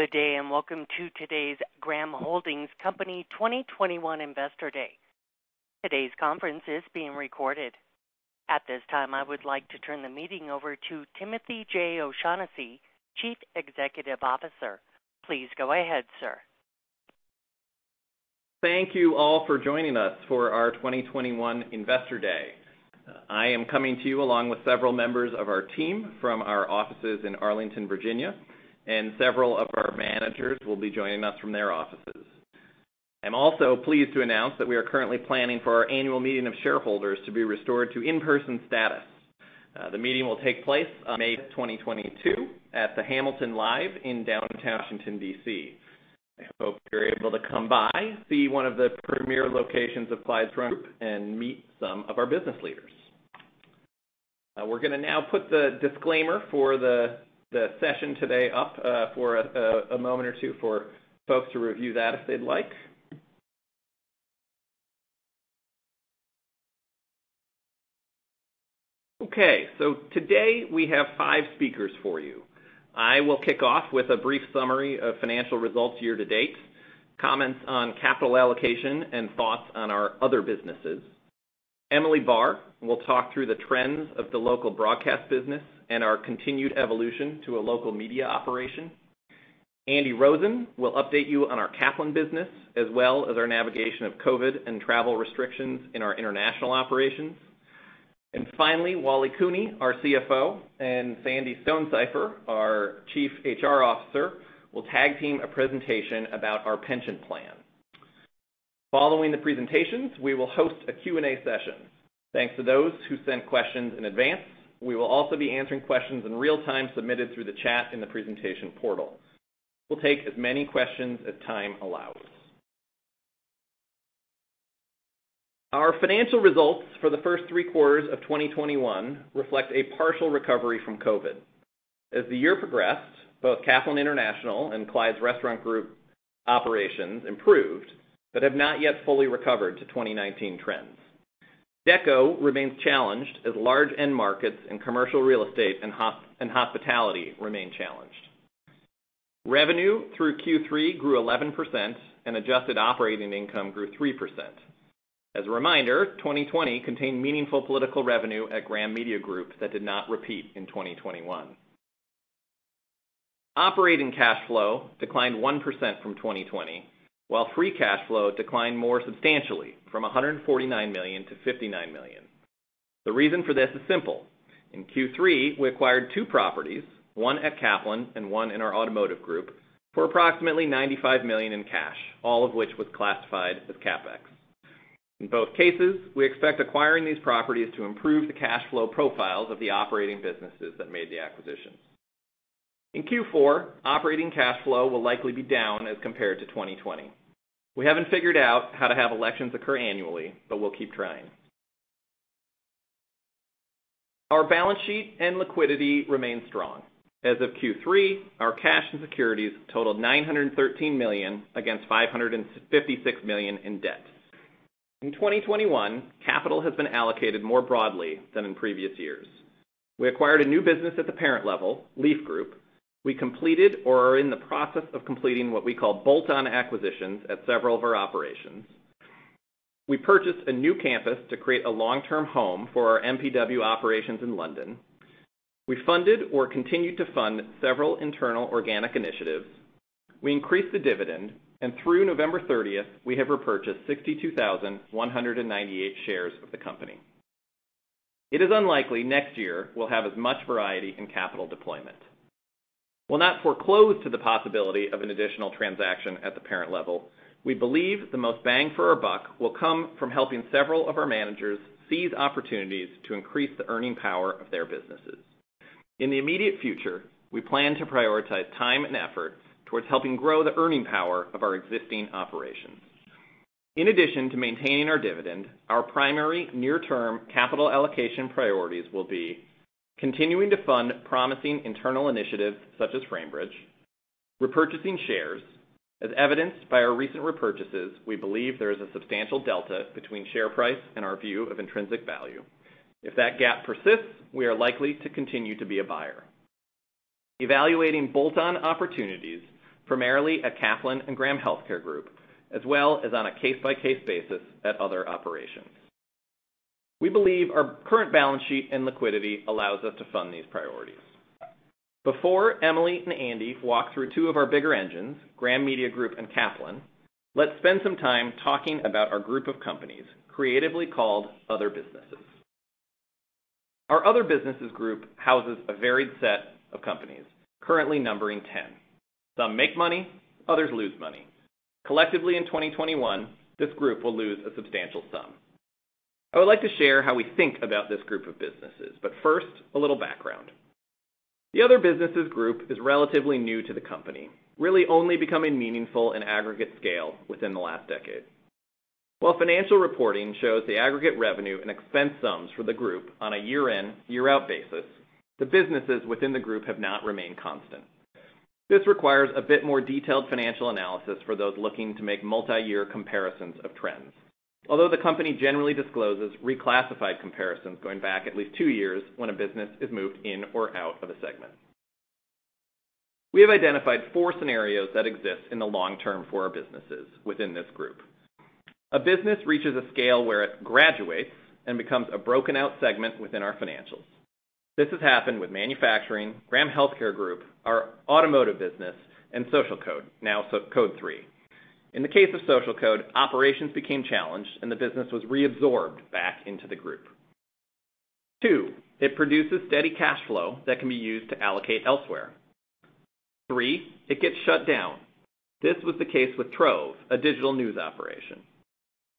Good day, and welcome to today's Graham Holdings Company 2021 Investor Day. Today's conference is being recorded. At this time, I would like to turn the meeting over to Timothy J. O'Shaughnessy, Chief Executive Officer. Please go ahead, sir. Thank you all for joining us for our 2021 Investor Day. I am coming to you along with several members of our team from our offices in Arlington, Virginia, and several of our managers will be joining us from their offices. I'm also pleased to announce that we are currently planning for our annual meeting of shareholders to be restored to in-person status. The meeting will take place on May of 2022 at the Hamilton Live in downtown Washington, D.C. I hope you're able to come by, see one of the premier locations of Clyde's Group, and meet some of our business leaders. We're gonna now put the disclaimer for the session today up, for a moment or two for folks to review that if they'd like. Okay, today, we have five speakers for you. I will kick off with a brief summary of financial results year-to-date, comments on capital allocation, and thoughts on our other businesses. Emily Barr will talk through the trends of the local broadcast business and our continued evolution to a local media operation. Andy Rosen will update you on our Kaplan business, as well as our navigation of COVID and travel restrictions in our international operations. Finally, Wally Cooney, our CFO, and Sandy Stonesifer, our Chief HR Officer, will tag-team a presentation about our pension plan. Following the presentations, we will host a Q&A session. Thanks to those who sent questions in advance. We will also be answering questions in real-time submitted through the chat in the presentation portal. We'll take as many questions as time allows. Our financial results for the first three quarters of 2021 reflect a partial recovery from COVID. As the year progressed, both Kaplan International and Clyde's Restaurant Group operations improved, but have not yet fully recovered to 2019 trends. Dekko remains challenged as large end markets and commercial real estate and hospitality remain challenged. Revenue through Q3 grew 11% and adjusted operating income grew 3%. As a reminder, 2020 contained meaningful political revenue at Graham Media Group that did not repeat in 2021. Operating cash flow declined 1% from 2020, while free cash flow declined more substantially from $149 million to $59 million. The reason for this is simple. In Q3, we acquired two properties, one at Kaplan and one in our automotive group, for approximately $95 million in cash, all of which was classified as CapEx. In both cases, we expect acquiring these properties to improve the cash flow profiles of the operating businesses that made the acquisitions. In Q4, operating cash flow will likely be down as compared to 2020. We haven't figured out how to have elections occur annually, but we'll keep trying. Our balance sheet and liquidity remain strong. As of Q3, our cash and securities totaled $913 million against $556 million in debt. In 2021, capital has been allocated more broadly than in previous years. We acquired a new business at the parent level, Leaf Group. We completed or are in the process of completing what we call bolt-on acquisitions at several of our operations. We purchased a new campus to create a long-term home for our MPW operations in London. We funded or continued to fund several internal organic initiatives. We increased the dividend, and through November 30, we have repurchased 62,198 shares of the company. It is unlikely next year we'll have as much variety in capital deployment. While not foreclosed to the possibility of an additional transaction at the parent level, we believe the most bang for our buck will come from helping several of our managers seize opportunities to increase the earning power of their businesses. In the immediate future, we plan to prioritize time and effort towards helping grow the earning power of our existing operations. In addition to maintaining our dividend, our primary near-term capital allocation priorities will be continuing to fund promising internal initiatives such as Framebridge, repurchasing shares. As evidenced by our recent repurchases, we believe there is a substantial delta between share price and our view of intrinsic value. If that gap persists, we are likely to continue to be a buyer, evaluating bolt-on opportunities, primarily at Kaplan and Graham Healthcare Group, as well as on a case-by-case basis at other operations. We believe our current balance sheet and liquidity allows us to fund these priorities. Before Emily and Andy walk through two of our bigger engines, Graham Media Group and Kaplan, let's spend some time talking about our group of companies creatively called other businesses. Our other businesses group houses a varied set of companies, currently numbering 10. Some make money, others lose money. Collectively in 2021, this group will lose a substantial sum. I would like to share how we think about this group of businesses, but first, a little background. The other businesses group is relatively new to the company, really only becoming meaningful in aggregate scale within the last decade. While financial reporting shows the aggregate revenue and expense sums for the group on a year in, year out basis, the businesses within the group have not remained constant. This requires a bit more detailed financial analysis for those looking to make multi-year comparisons of trends. Although the company generally discloses reclassified comparisons going back at least two years when a business is moved in or out of a segment. We have identified four scenarios that exist in the long term for our businesses within this group. A business reaches a scale where it graduates and becomes a broken out segment within our financials. This has happened with manufacturing, Graham Healthcare Group, our automotive business, and SocialCode, now Code3. In the case of SocialCode, operations became challenged and the business was reabsorbed back into the group. Two, it produces steady cash flow that can be used to allocate elsewhere. Three, it gets shut down. This was the case with Trove, a digital news operation.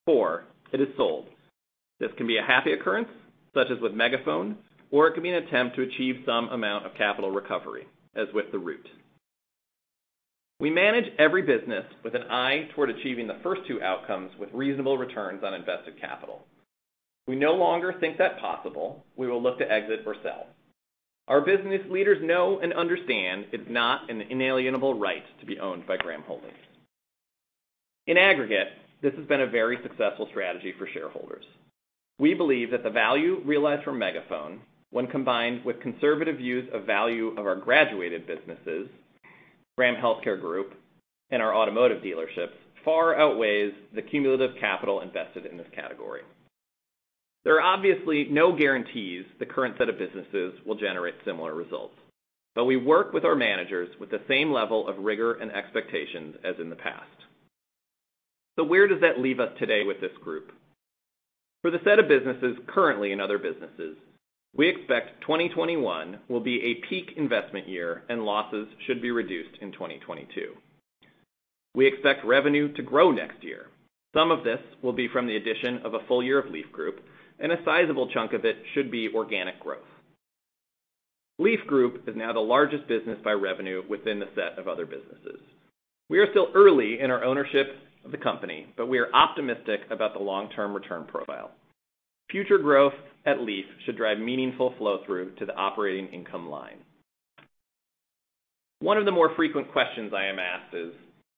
Four, it is sold. This can be a happy occurrence, such as with Megaphone, or it can be an attempt to achieve some amount of capital recovery, as with The Root. We manage every business with an eye toward achieving the first two outcomes with reasonable returns on invested capital. We no longer think that possible, we will look to exit or sell. Our business leaders know and understand it's not an inalienable right to be owned by Graham Holdings. In aggregate, this has been a very successful strategy for shareholders. We believe that the value realized from Megaphone when combined with conservative views of value of our graduated businesses, Graham Healthcare Group and our automotive dealerships, far outweighs the cumulative capital invested in this category. There are obviously no guarantees the current set of businesses will generate similar results, but we work with our managers with the same level of rigor and expectations as in the past. Where does that leave us today with this group? For the set of businesses currently in other businesses, we expect 2021 will be a peak investment year and losses should be reduced in 2022. We expect revenue to grow next year. Some of this will be from the addition of a full year of Leaf Group, and a sizable chunk of it should be organic growth. Leaf Group is now the largest business by revenue within the set of other businesses. We are still early in our ownership of the company, but we are optimistic about the long-term return profile. Future growth at Leaf should drive meaningful flow through to the operating income line. One of the more frequent questions I am asked is,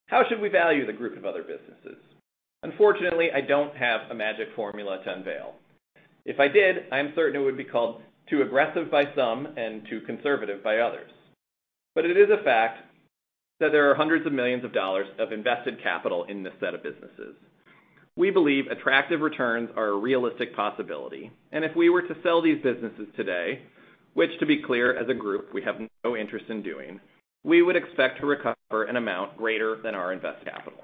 "How should we value the group of other businesses?" Unfortunately, I don't have a magic formula to unveil. If I did, I'm certain it would be called too aggressive by some and too conservative by others. It is a fact that there are hundreds of millions of dollars of invested capital in this set of businesses. We believe attractive returns are a realistic possibility, and if we were to sell these businesses today, which to be clear as a group, we have no interest in doing, we would expect to recover an amount greater than our invested capital.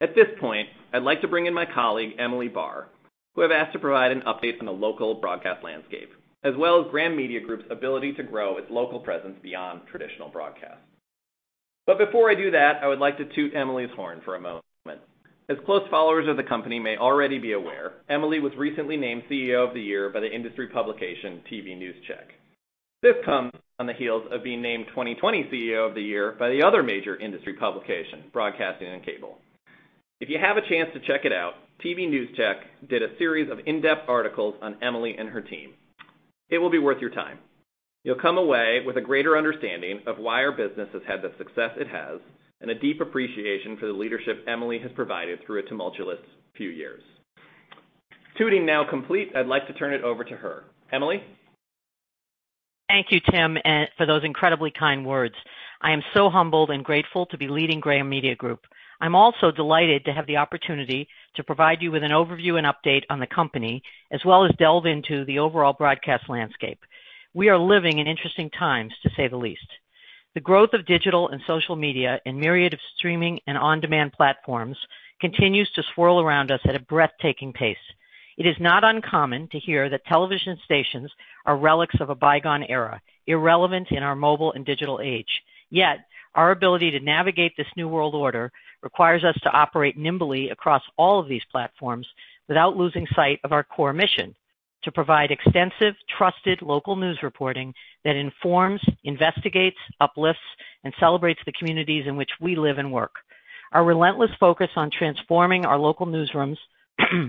At this point, I'd like to bring in my colleague, Emily Barr, who I've asked to provide an update on the local broadcast landscape, as well as Graham Media Group's ability to grow its local presence beyond traditional broadcast. Before I do that, I would like to toot Emily's horn for a moment. As close followers of the company may already be aware, Emily was recently named CEO of the Year by the industry publication TVNewsCheck. This comes on the heels of being named 2020 CEO of the Year by the other major industry publication, Broadcasting & Cable. If you have a chance to check it out, TVNewsCheck did a series of in-depth articles on Emily and her team. It will be worth your time. You'll come away with a greater understanding of why our business has had the success it has and a deep appreciation for the leadership Emily has provided through a tumultuous few years. Tooting now complete, I'd like to turn it over to her. Emily? Thank you, Tim, for those incredibly kind words. I am so humbled and grateful to be leading Graham Media Group. I'm also delighted to have the opportunity to provide you with an overview and update on the company, as well as delve into the overall broadcast landscape. We are living in interesting times, to say the least. The growth of digital and social media and myriad of streaming and on-demand platforms continues to swirl around us at a breathtaking pace. It is not uncommon to hear that television stations are relics of a bygone era, irrelevant in our mobile and digital age. Yet, our ability to navigate this new world order requires us to operate nimbly across all of these platforms without losing sight of our core mission: to provide extensive, trusted local news reporting that informs, investigates, uplifts, and celebrates the communities in which we live and work. Our relentless focus on transforming our local newsrooms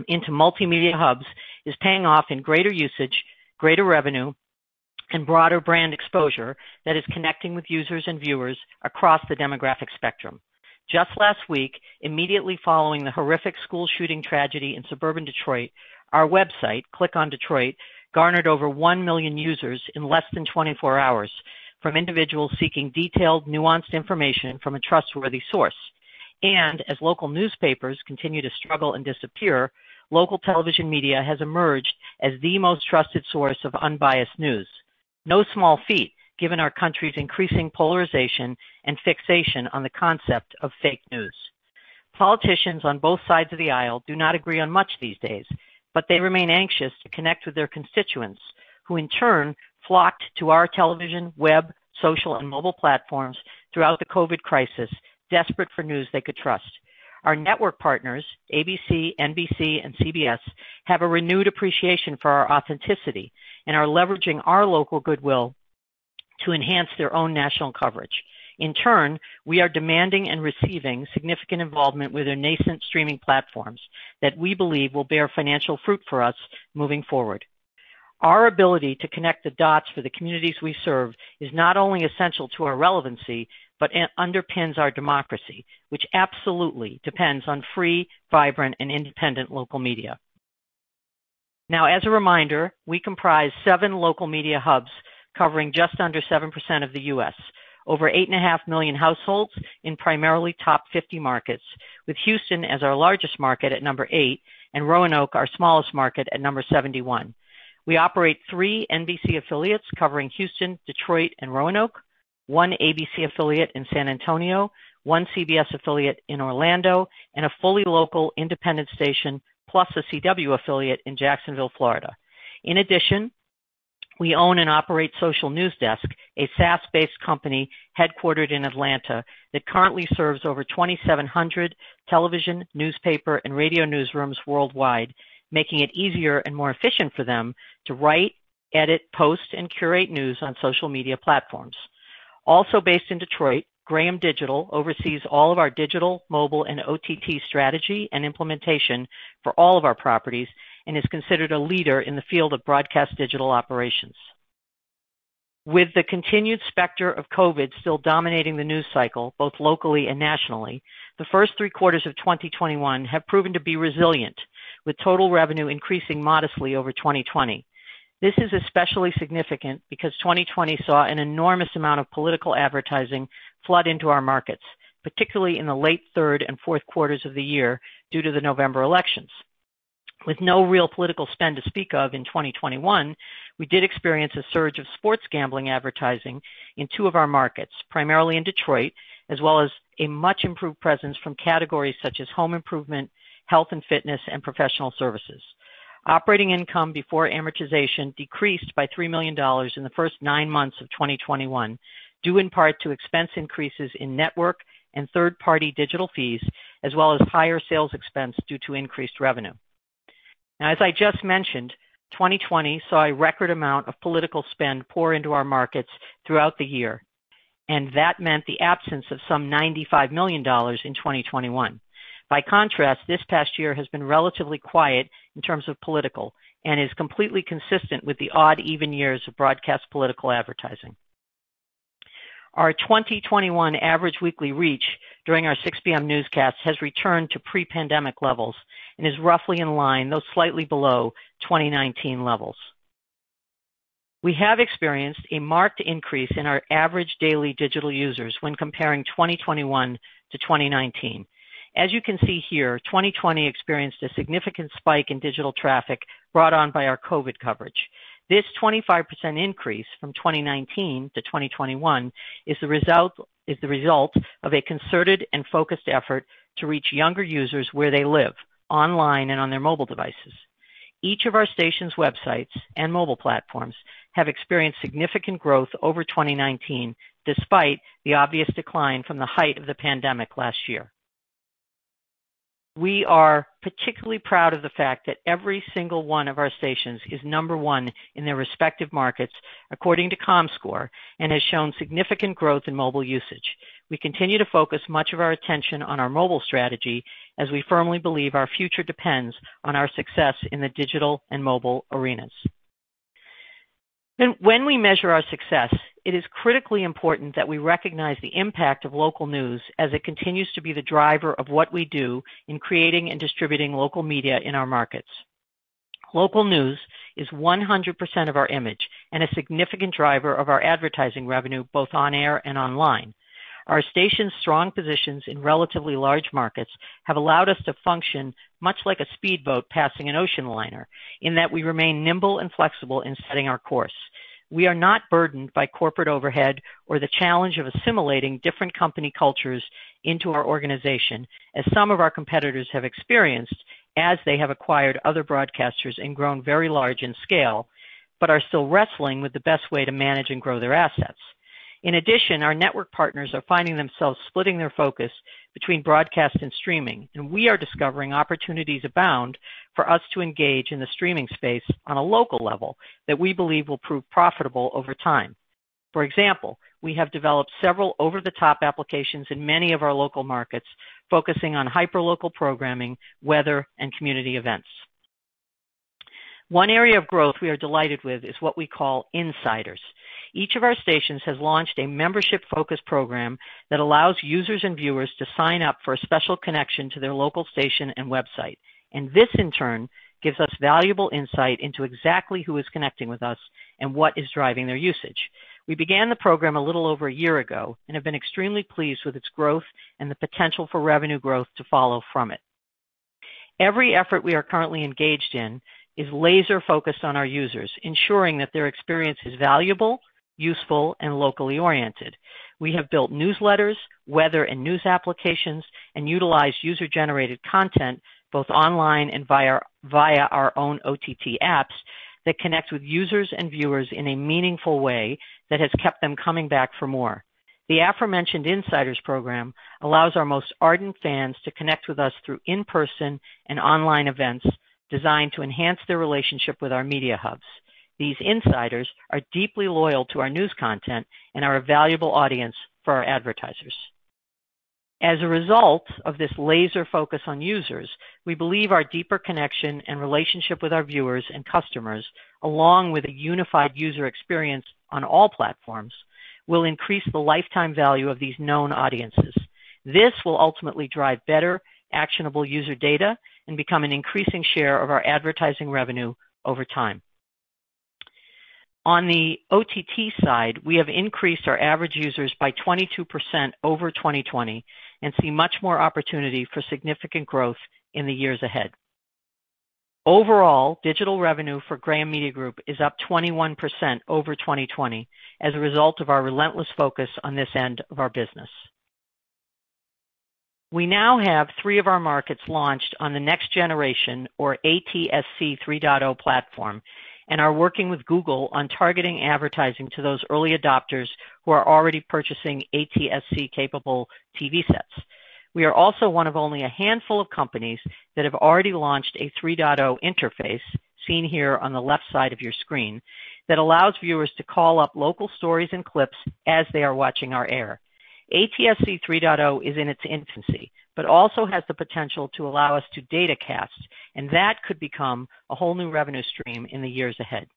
into multimedia hubs is paying off in greater usage, greater revenue, and broader brand exposure that is connecting with users and viewers across the demographic spectrum. Just last week, immediately following the horrific school shooting tragedy in suburban Detroit, our website, ClickOnDetroit, garnered over one million users in less than 24 hours from individuals seeking detailed, nuanced information from a trustworthy source. As local newspapers continue to struggle and disappear, local television media has emerged as the most trusted source of unbiased news. No small feat, given our country's increasing polarization and fixation on the concept of fake news. Politicians on both sides of the aisle do not agree on much these days, but they remain anxious to connect with their constituents, who in turn flocked to our television, web, social, and mobile platforms throughout the COVID crisis, desperate for news they could trust. Our network partners, ABC, NBC, and CBS, have a renewed appreciation for our authenticity and are leveraging our local goodwill to enhance their own national coverage. In turn, we are demanding and receiving significant involvement with their nascent streaming platforms that we believe will bear financial fruit for us moving forward. Our ability to connect the dots for the communities we serve is not only essential to our relevancy, but it underpins our democracy, which absolutely depends on free, vibrant, and independent local media. Now, as a reminder, we comprise seven local media hubs covering just under 7% of the U.S. Over 8.5 million households in primarily top 50 markets, with Houston as our largest market at number eight, and Roanoke our smallest market at number 71. We operate three NBC affiliates covering Houston, Detroit, and Roanoke, one ABC affiliate in San Antonio, one CBS affiliate in Orlando, and a fully local independent station, plus a CW affiliate in Jacksonville, Florida. In addition, we own and operate Social News Desk, a SaaS-based company headquartered in Atlanta that currently serves over 2,700 television, newspaper, and radio newsrooms worldwide, making it easier and more efficient for them to write, edit, post and curate news on social media platforms. Also based in Detroit, Graham Digital oversees all of our digital, mobile, and OTT strategy and implementation for all of our properties and is considered a leader in the field of broadcast digital operations. With the continued specter of COVID still dominating the news cycle, both locally and nationally, the first three quarters of 2021 have proven to be resilient, with total revenue increasing modestly over 2020. This is especially significant because 2020 saw an enormous amount of political advertising flood into our markets, particularly in the late third and fourth quarters of the year due to the November elections. With no real political spend to speak of in 2021, we did experience a surge of sports gambling advertising in two of our markets, primarily in Detroit, as well as a much improved presence from categories such as home improvement, health and fitness, and professional services. Operating income before amortization decreased by $3 million in the first nine months of 2021, due in part to expense increases in network and third-party digital fees, as well as higher sales expense due to increased revenue. Now, as I just mentioned, 2020 saw a record amount of political spend pour into our markets throughout the year, and that meant the absence of some $95 million in 2021. By contrast, this past year has been relatively quiet in terms of political and is completely consistent with the odd even years of broadcast political advertising. Our 2021 average weekly reach during our 6:00P.M. newscast has returned to pre-pandemic levels and is roughly in line, though slightly below, 2019 levels. We have experienced a marked increase in our average daily digital users when comparing 2021-2019. As you can see here, 2020 experienced a significant spike in digital traffic brought on by our COVID coverage. This 25% increase from 2019-2021 is the result of a concerted and focused effort to reach younger users where they live, online and on their mobile devices. Each of our station's websites and mobile platforms have experienced significant growth over 2019, despite the obvious decline from the height of the pandemic last year. We are particularly proud of the fact that every single one of our stations is number one in their respective markets, according to Comscore, and has shown significant growth in mobile usage. We continue to focus much of our attention on our mobile strategy as we firmly believe our future depends on our success in the digital and mobile arenas. When we measure our success, it is critically important that we recognize the impact of local news as it continues to be the driver of what we do in creating and distributing local media in our markets. Local news is 100% of our image and a significant driver of our advertising revenue, both on air and online. Our station's strong positions in relatively large markets have allowed us to function much like a speedboat passing an ocean liner in that we remain nimble and flexible in setting our course. We are not burdened by corporate overhead or the challenge of assimilating different company cultures into our organization, as some of our competitors have experienced as they have acquired other broadcasters and grown very large in scale, but are still wrestling with the best way to manage and grow their assets. In addition, our network partners are finding themselves splitting their focus between broadcast and streaming, and we are discovering opportunities abound for us to engage in the streaming space on a local level that we believe will prove profitable over time. For example, we have developed several over-the-top applications in many of our local markets, focusing on hyperlocal programming, weather, and community events. One area of growth we are delighted with is what we call Insiders. Each of our stations has launched a membership focus program that allows users and viewers to sign up for a special connection to their local station and website. This, in turn, gives us valuable insight into exactly who is connecting with us and what is driving their usage. We began the program a little over a year ago and have been extremely pleased with its growth and the potential for revenue growth to follow from it. Every effort we are currently engaged in is laser focused on our users, ensuring that their experience is valuable, useful, and locally oriented. We have built newsletters, weather and news applications, and utilize user-generated content both online and via our own OTT apps that connect with users and viewers in a meaningful way that has kept them coming back for more. The aforementioned Insiders program allows our most ardent fans to connect with us through in-person and online events designed to enhance their relationship with our media hubs. These insiders are deeply loyal to our news content and are a valuable audience for our advertisers. As a result of this laser focus on users, we believe our deeper connection and relationship with our viewers and customers, along with a unified user experience on all platforms, will increase the lifetime value of these known audiences. This will ultimately drive better actionable user data and become an increasing share of our advertising revenue over time. On the OTT side, we have increased our average users by 22% over 2020 and see much more opportunity for significant growth in the years ahead. Overall, digital revenue for Graham Media Group is up 21% over 2020 as a result of our relentless focus on this end of our business. We now have three of our markets launched on the next generation of ATSC 3.0 platform and are working with Google on targeting advertising to those early adopters who are already purchasing ATSC capable TV sets. We are also one of only a handful of companies that have already launched a 3.0 interface, seen here on the left side of your screen, that allows viewers to call up local stories and clips as they are watching on our air. ATSC 3.0 is in its infancy, but also has the potential to allow us to datacast, and that could become a whole new revenue stream in the years ahead.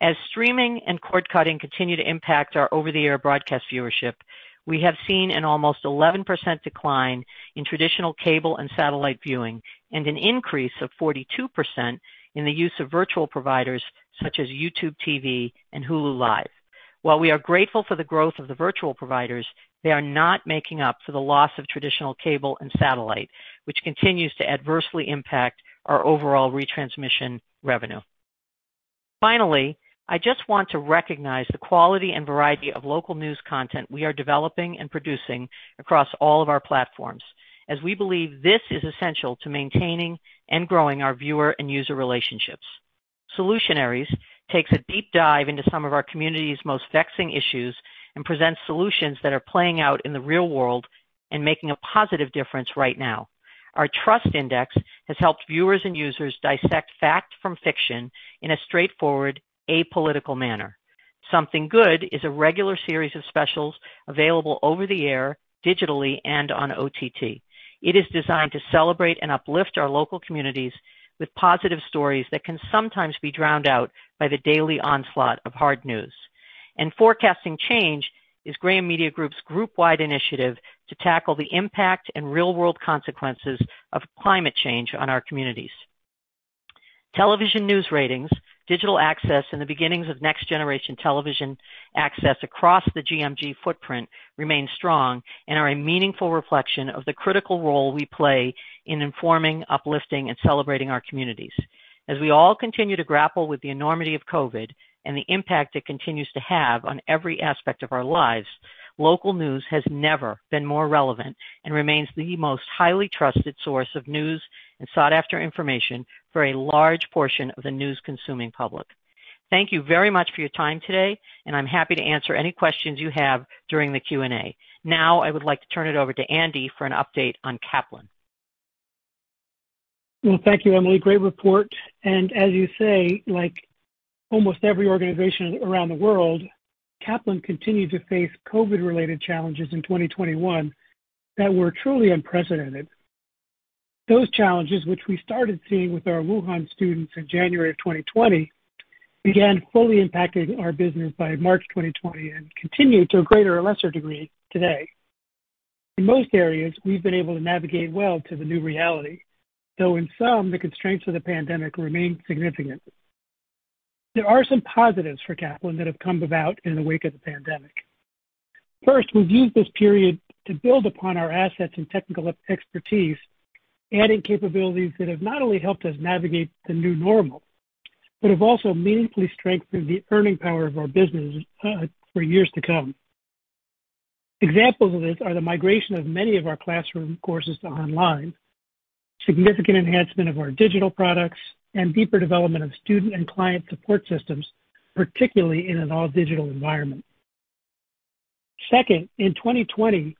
As streaming and cord cutting continue to impact our over-the-air broadcast viewership, we have seen an almost 11% decline in traditional cable and satellite viewing and an increase of 42% in the use of virtual providers such as YouTube TV and Hulu + Live TV. While we are grateful for the growth of the virtual providers, they are not making up for the loss of traditional cable and satellite, which continues to adversely impact our overall retransmission revenue. Finally, I just want to recognize the quality and variety of local news content we are developing and producing across all of our platforms, as we believe this is essential to maintaining and growing our viewer and user relationships. Solutionaries takes a deep dive into some of our community's most vexing issues and presents solutions that are playing out in the real world and making a positive difference right now. Our Trust Index has helped viewers and users dissect fact from fiction in a straightforward, apolitical manner. Something Good is a regular series of specials available over the air, digitally, and on OTT. It is designed to celebrate and uplift our local communities with positive stories that can sometimes be drowned out by the daily onslaught of hard news. Forecasting Change is Graham Media Group's group-wide initiative to tackle the impact and real-world consequences of climate change on our communities. Television news ratings, digital access, and the beginnings of next-generation television access across the GMG footprint remain strong and are a meaningful reflection of the critical role we play in informing, uplifting, and celebrating our communities. As we all continue to grapple with the enormity of COVID and the impact it continues to have on every aspect of our lives, local news has never been more relevant and remains the most highly trusted source of news and sought-after information for a large portion of the news-consuming public. Thank you very much for your time today, and I'm happy to answer any questions you have during the Q&A. Now I would like to turn it over to Andy for an update on Kaplan. Well, thank you, Emily. Great report. As you say, like almost every organization around the world, Kaplan continued to face COVID-related challenges in 2021 that were truly unprecedented. Those challenges, which we started seeing with our Wuhan students in January of 2020, began fully impacting our business by March 2020 and continue to a greater or lesser degree today. In most areas, we've been able to navigate well to the new reality, though in some, the constraints of the pandemic remain significant. There are some positives for Kaplan that have come about in the wake of the pandemic. First, we've used this period to build upon our assets and technical expertise, adding capabilities that have not only helped us navigate the new normal, but have also meaningfully strengthened the earning power of our business for years to come. Examples of this are the migration of many of our classroom courses to online, significant enhancement of our digital products, and deeper development of student and client support systems, particularly in an all-digital environment. Second, in 2020,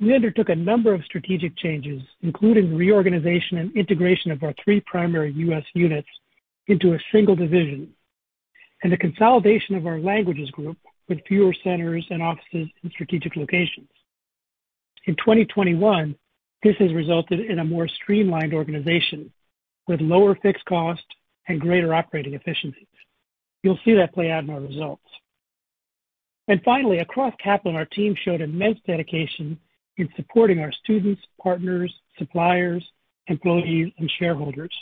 we undertook a number of strategic changes, including reorganization and integration of our three primary U.S. units into a single division, and the consolidation of our languages group with fewer centers and offices in strategic locations. In 2021, this has resulted in a more streamlined organization with lower fixed cost and greater operating efficiency. You'll see that play out in our results. Finally, across Kaplan, our team showed immense dedication in supporting our students, partners, suppliers, employees, and shareholders.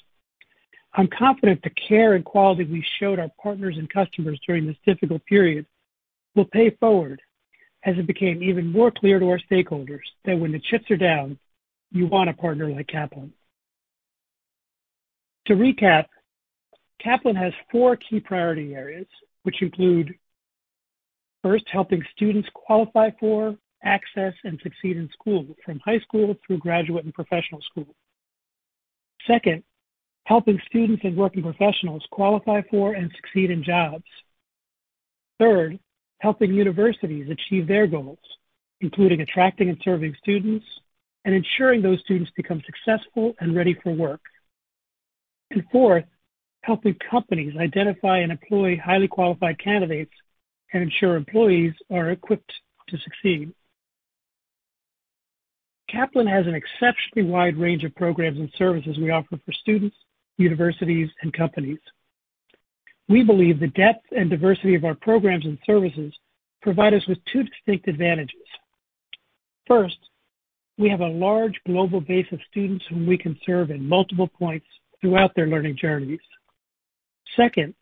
I'm confident the care and quality we showed our partners and customers during this difficult period will pay forward as it became even more clear to our stakeholders that when the chips are down, you want a partner like Kaplan. To recap, Kaplan has four key priority areas, which include, first, helping students qualify for, access, and succeed in school from high school through graduate and professional school. Second, helping students and working professionals qualify for and succeed in jobs. Third, helping universities achieve their goals, including attracting and serving students and ensuring those students become successful and ready for work. Fourth, helping companies identify and employ highly qualified candidates and ensure employees are equipped to succeed. Kaplan has an exceptionally wide range of programs and services we offer for students, universities, and companies. We believe the depth and diversity of our programs and services provide us with two distinct advantages. First, we have a large global base of students whom we can serve in multiple points throughout their learning journeys. Second,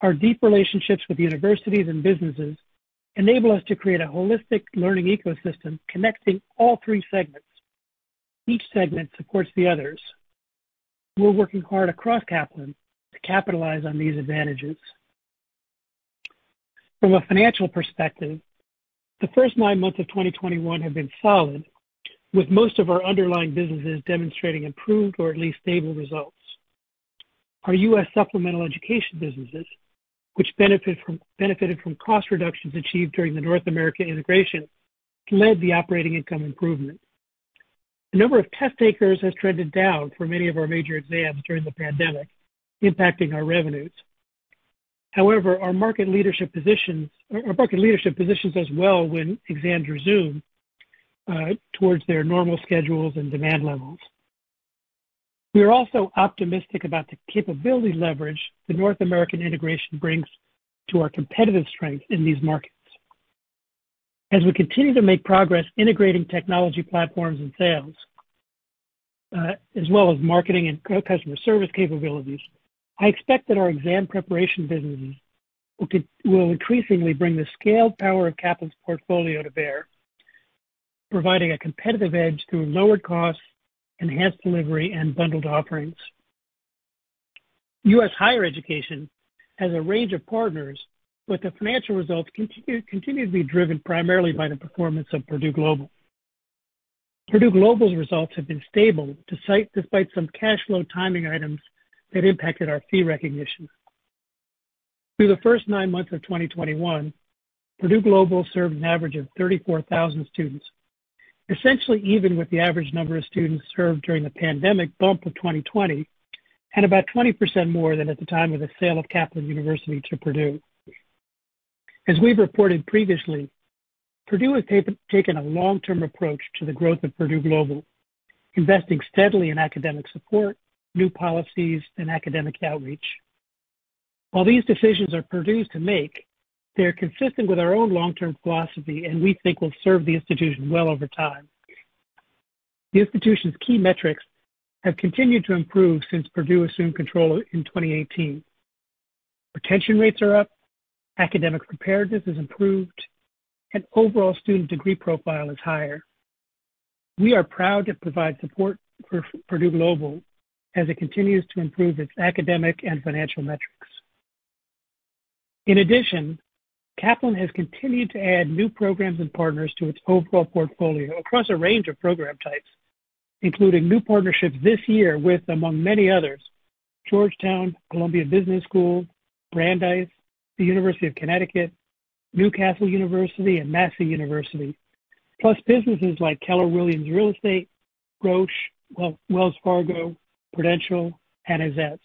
our deep relationships with universities and businesses enable us to create a holistic learning ecosystem connecting all three segments. Each segment supports the others. We're working hard across Kaplan to capitalize on these advantages. From a financial perspective, the first nine months of 2021 have been solid, with most of our underlying businesses demonstrating improved or at least stable results. Our U.S. supplemental education businesses, which benefited from cost reductions achieved during the North American integration, led the operating income improvement. The number of test takers has trended down for many of our major exams during the pandemic, impacting our revenues. However, our market leadership position our market leadership positions as well when exams resume towards their normal schedules and demand levels. We are also optimistic about the capability leverage the North American integration brings to our competitive strength in these markets. As we continue to make progress integrating technology platforms and sales, as well as marketing and customer service capabilities, I expect that our exam preparation businesses will increasingly bring the scaled power of Kaplan's portfolio to bear, providing a competitive edge through lower costs, enhanced delivery, and bundled offerings. U.S. higher education has a range of partners, with the financial results continue to be driven primarily by the performance of Purdue Global. Purdue Global's results have been stable despite some cash flow timing items that impacted our fee recognition. Through the first nine months of 2021, Purdue Global served an average of 34,000 students, essentially even with the average number of students served during the pandemic bump of 2020, and about 20% more than at the time of the sale of Kaplan University to Purdue. As we've reported previously, Purdue has taken a long-term approach to the growth of Purdue Global, investing steadily in academic support, new policies, and academic outreach. While these decisions are Purdue's to make, they are consistent with our own long-term philosophy, and we think will serve the institution well over time. The institution's key metrics have continued to improve since Purdue assumed control in 2018. Retention rates are up, academic preparedness has improved, and overall student degree profile is higher. We are proud to provide support for Purdue Global as it continues to improve its academic and financial metrics. In addition, Kaplan has continued to add new programs and partners to its overall portfolio across a range of program types, including new partnerships this year with, among many others, Georgetown, Columbia Business School, Brandeis, the University of Connecticut, University of Newcastle, and Massey University, plus businesses like Keller Williams Realty, Roche, Wells Fargo, Prudential, and Azets.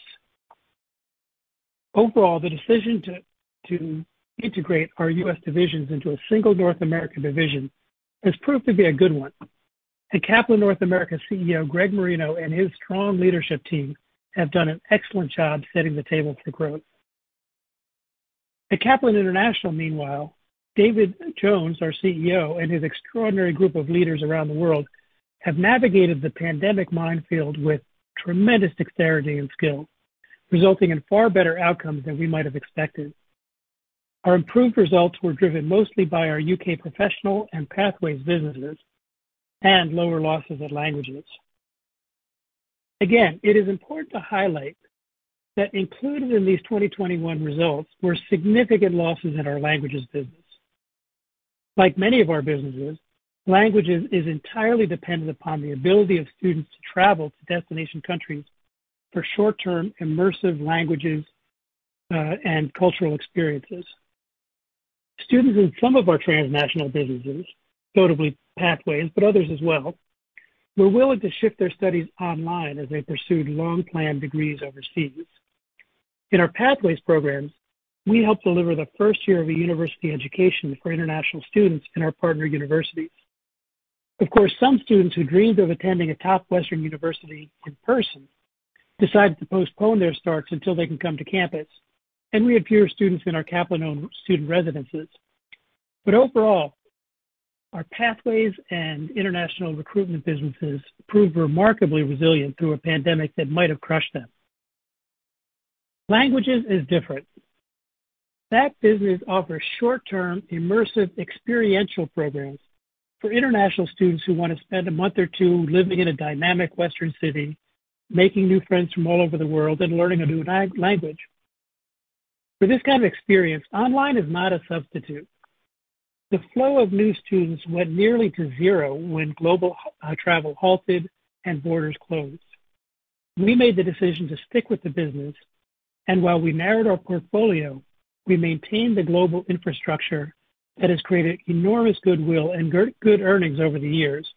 Overall, the decision to integrate our U.S.. Divisions into a single North American division has proved to be a good one, and Kaplan North America CEO Greg Marino and his strong leadership team have done an excellent job setting the table for growth. At Kaplan International, meanwhile, David Jones, our CEO, and his extraordinary group of leaders around the world have navigated the pandemic minefield with tremendous dexterity and skill, resulting in far better outcomes than we might have expected. Our improved results were driven mostly by our U.K. Professional and Pathways businesses and lower losses at Languages. Again, it is important to highlight that included in these 2021 results were significant losses at our Languages business. Like many of our businesses, Languages is entirely dependent upon the ability of students to travel to destination countries for short-term immersive languages, and cultural experiences. Students in some of our transnational businesses, notably Pathways, but others as well, were willing to shift their studies online as they pursued long-planned degrees overseas. In our Pathways programs, we help deliver the first year of a university education for international students in our partner universities. Of course, some students who dreamed of attending a top Western university in person decided to postpone their starts until they can come to campus and reappear in our Kaplan-owned student residences. Overall, our Pathways and international recruitment businesses proved remarkably resilient through a pandemic that might have crushed them. Languages is different. That business offers short-term, immersive, experiential programs for international students who want to spend a month or two living in a dynamic Western city, making new friends from all over the world and learning a new language. For this kind of experience, online is not a substitute. The flow of new students went nearly to zero when global travel halted and borders closed. We made the decision to stick with the business, and while we narrowed our portfolio, we maintained the global infrastructure that has created enormous goodwill and good earnings over the years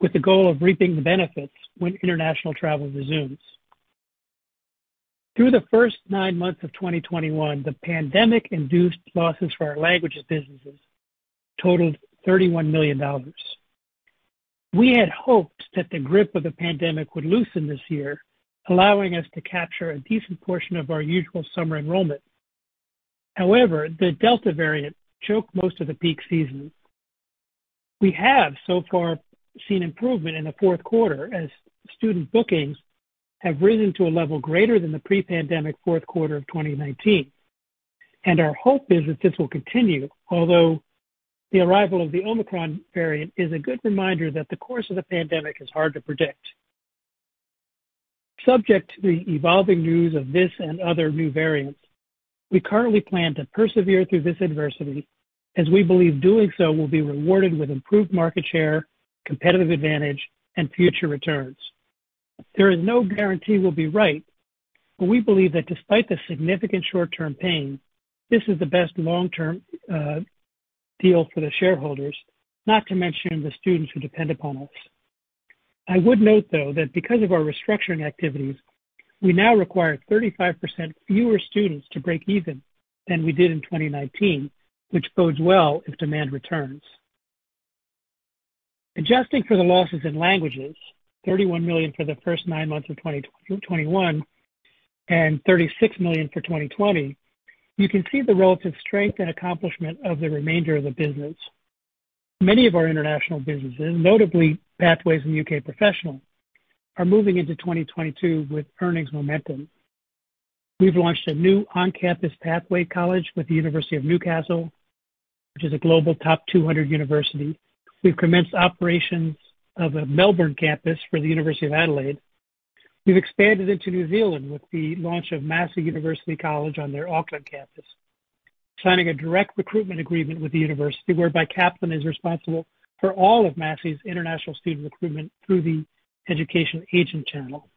with the goal of reaping the benefits when international travel resumes. Through the first nine months of 2021, the pandemic-induced losses for our languages businesses totaled $31 million. We had hoped that the grip of the pandemic would loosen this year, allowing us to capture a decent portion of our usual summer enrollment. However, the Delta variant choked most of the peak season. We have so far seen improvement in the fourth quarter as student bookings have risen to a level greater than the pre-pandemic fourth quarter of 2019. Our hope is that this will continue, although the arrival of the Omicron variant is a good reminder that the course of the pandemic is hard to predict. Subject to the evolving news of this and other new variants, we currently plan to persevere through this adversity, as we believe doing so will be rewarded with improved market share, competitive advantage, and future returns. There is no guarantee we'll be right, but we believe that despite the significant short-term pain, this is the best long-term deal for the shareholders, not to mention the students who depend upon us. I would note, though, that because of our restructuring activities, we now require 35% fewer students to break even than we did in 2019, which bodes well if demand returns. Adjusting for the losses in languages, $31 million for the first nine months of 2021 and $36 million for 2020, you can see the relative strength and accomplishment of the remainder of the business. Many of our international businesses, notably Pathways and U.K. Professional, are moving into 2022 with earnings momentum. We've launched a new on-campus pathway college with the University of Newcastle, which is a global top 200 university. We've commenced operations of a Melbourne campus for the University of Adelaide. We've expanded into New Zealand with the launch of Massey University College on their Auckland campus, signing a direct recruitment agreement with the university whereby Kaplan is responsible for all of Massey's international student recruitment through the education agent channel.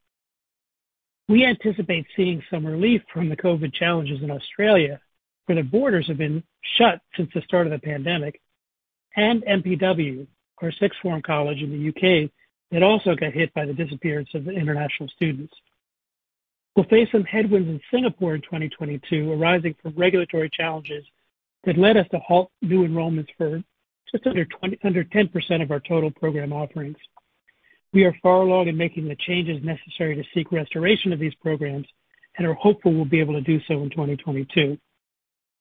We anticipate seeing some relief from the COVID challenges in Australia, where the borders have been shut since the start of the pandemic, and MPW, our sixth form college in the U.K., that also got hit by the disappearance of the international students. We'll face some headwinds in Singapore in 2022, arising from regulatory challenges that led us to halt new enrollments for just under 10% of our total program offerings. We are far along in making the changes necessary to seek restoration of these programs and are hopeful we'll be able to do so in 2022.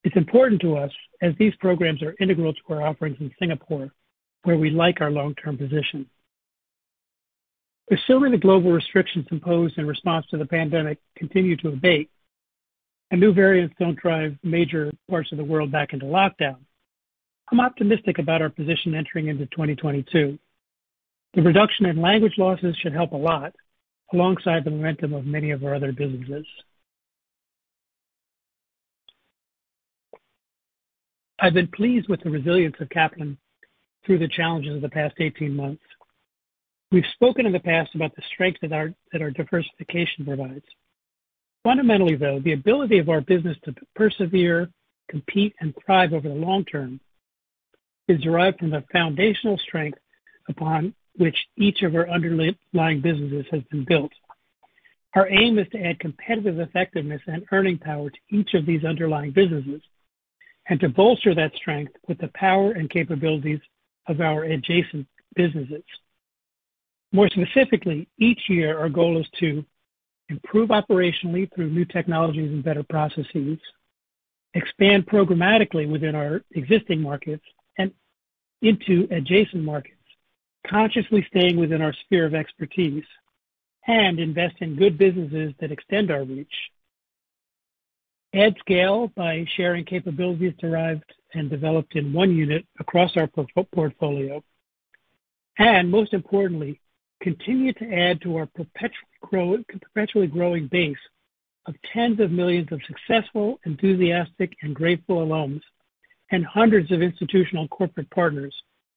It's important to us as these programs are integral to our offerings in Singapore, where we like our long-term position. Assuming the global restrictions imposed in response to the pandemic continue to abate and new variants don't drive major parts of the world back into lockdown, I'm optimistic about our position entering into 2022. The reduction in language losses should help a lot alongside the momentum of many of our other businesses. I've been pleased with the resilience of Kaplan through the challenges of the past 18 months. We've spoken in the past about the strength that our diversification provides. Fundamentally, though, the ability of our business to persevere, compete, and thrive over the long term is derived from the foundational strength upon which each of our underlying businesses has been built. Our aim is to add competitive effectiveness and earning power to each of these underlying businesses and to bolster that strength with the power and capabilities of our adjacent businesses. More specifically, each year our goal is to improve operationally through new technologies and better processes, expand programmatically within our existing markets and into adjacent markets, consciously staying within our sphere of expertise and invest in good businesses that extend our reach, add scale by sharing capabilities derived and developed in one unit across our portfolio, and most importantly, continue to add to our perpetually growing base of tens of millions of successful, enthusiastic, and grateful alums and hundreds of institutional corporate partners,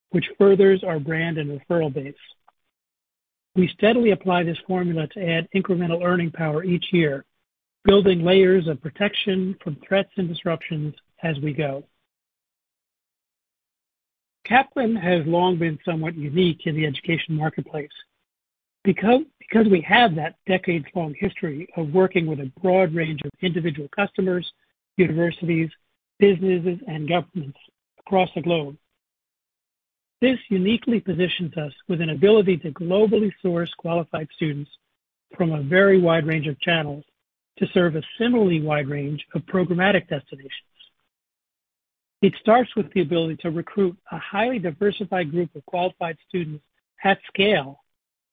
which furthers our brand and referral base. We steadily apply this formula to add incremental earning power each year, building layers of protection from threats and disruptions as we go. Kaplan has long been somewhat unique in the education marketplace because we have that decades-long history of working with a broad range of individual customers, universities, businesses, and governments across the globe. This uniquely positions us with an ability to globally source qualified students from a very wide range of channels to serve a similarly wide range of programmatic destinations. It starts with the ability to recruit a highly diversified group of qualified students at scale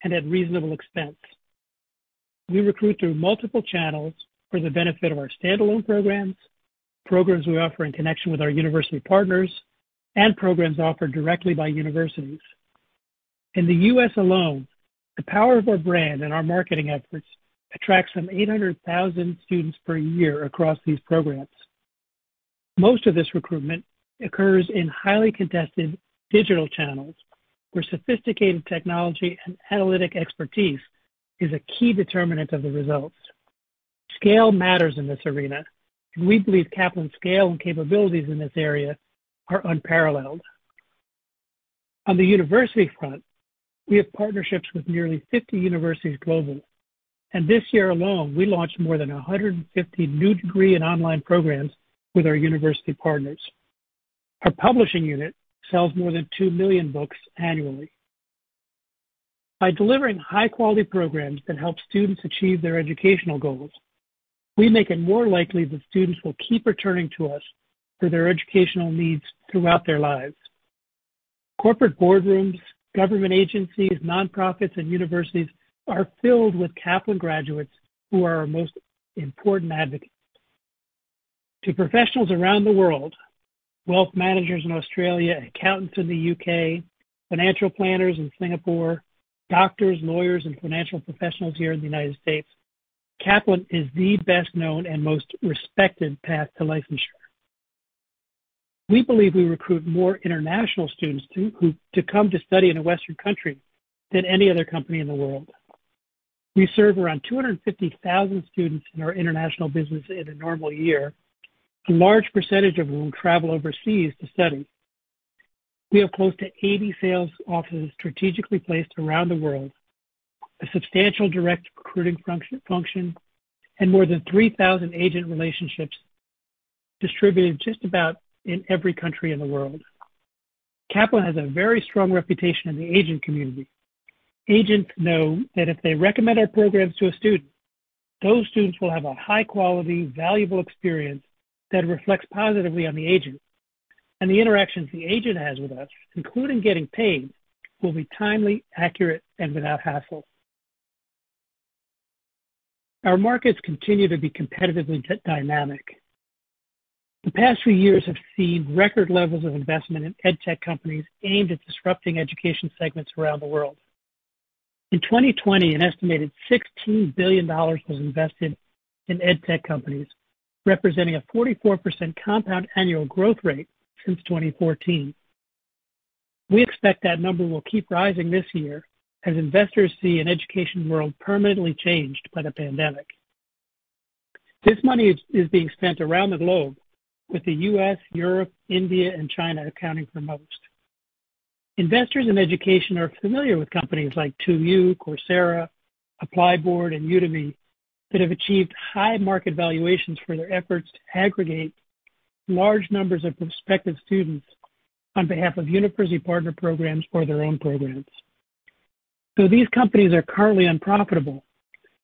and at reasonable expense. We recruit through multiple channels for the benefit of our standalone programs we offer in connection with our university partners, and programs offered directly by universities. In the U.S. alone, the power of our brand and our marketing efforts attracts some 800,000 students per year across these programs. Most of this recruitment occurs in highly contested digital channels, where sophisticated technology and analytic expertise is a key determinant of the results. Scale matters in this arena, and we believe Kaplan's scale and capabilities in this area are unparalleled. On the university front, we have partnerships with nearly 50 universities globally, and this year alone, we launched more than 150 new degree and online programs with our university partners. Our publishing unit sells more than two million books annually. By delivering high-quality programs that help students achieve their educational goals, we make it more likely that students will keep returning to us for their educational needs throughout their lives. Corporate boardrooms, government agencies, nonprofits, and universities are filled with Kaplan graduates who are our most important advocates. To professionals around the world, wealth managers in Australia, accountants in the U.K., financial planners in Singapore, doctors, lawyers, and financial professionals here in the United States, Kaplan is the best-known and most respected path to licensure. We believe we recruit more international students to come to study in a Western country than any other company in the world. We serve around 250,000 students in our international business in a normal year, a large percentage of whom travel overseas to study. We have close to 80 sales offices strategically placed around the world, a substantial direct recruiting function, and more than 3,000 agent relationships distributed just about in every country in the world. Kaplan has a very strong reputation in the agent community. Agents know that if they recommend our programs to a student, those students will have a high-quality, valuable experience that reflects positively on the agent. The interactions the agent has with us, including getting paid, will be timely, accurate, and without hassle. Our markets continue to be competitively dynamic. The past few years have seen record levels of investment in EdTech companies aimed at disrupting education segments around the world. In 2020, an estimated $16 billion was invested in EdTech companies, representing a 44% compound annual growth rate since 2014. We expect that number will keep rising this year as investors see an education world permanently changed by the pandemic. This money is being spent around the globe with the U.S., Europe, India, and China accounting for most. Investors in education are familiar with companies like 2U, Coursera, ApplyBoard, and Udemy that have achieved high market valuations for their efforts to aggregate large numbers of prospective students on behalf of university partner programs or their own programs. Though these companies are currently unprofitable,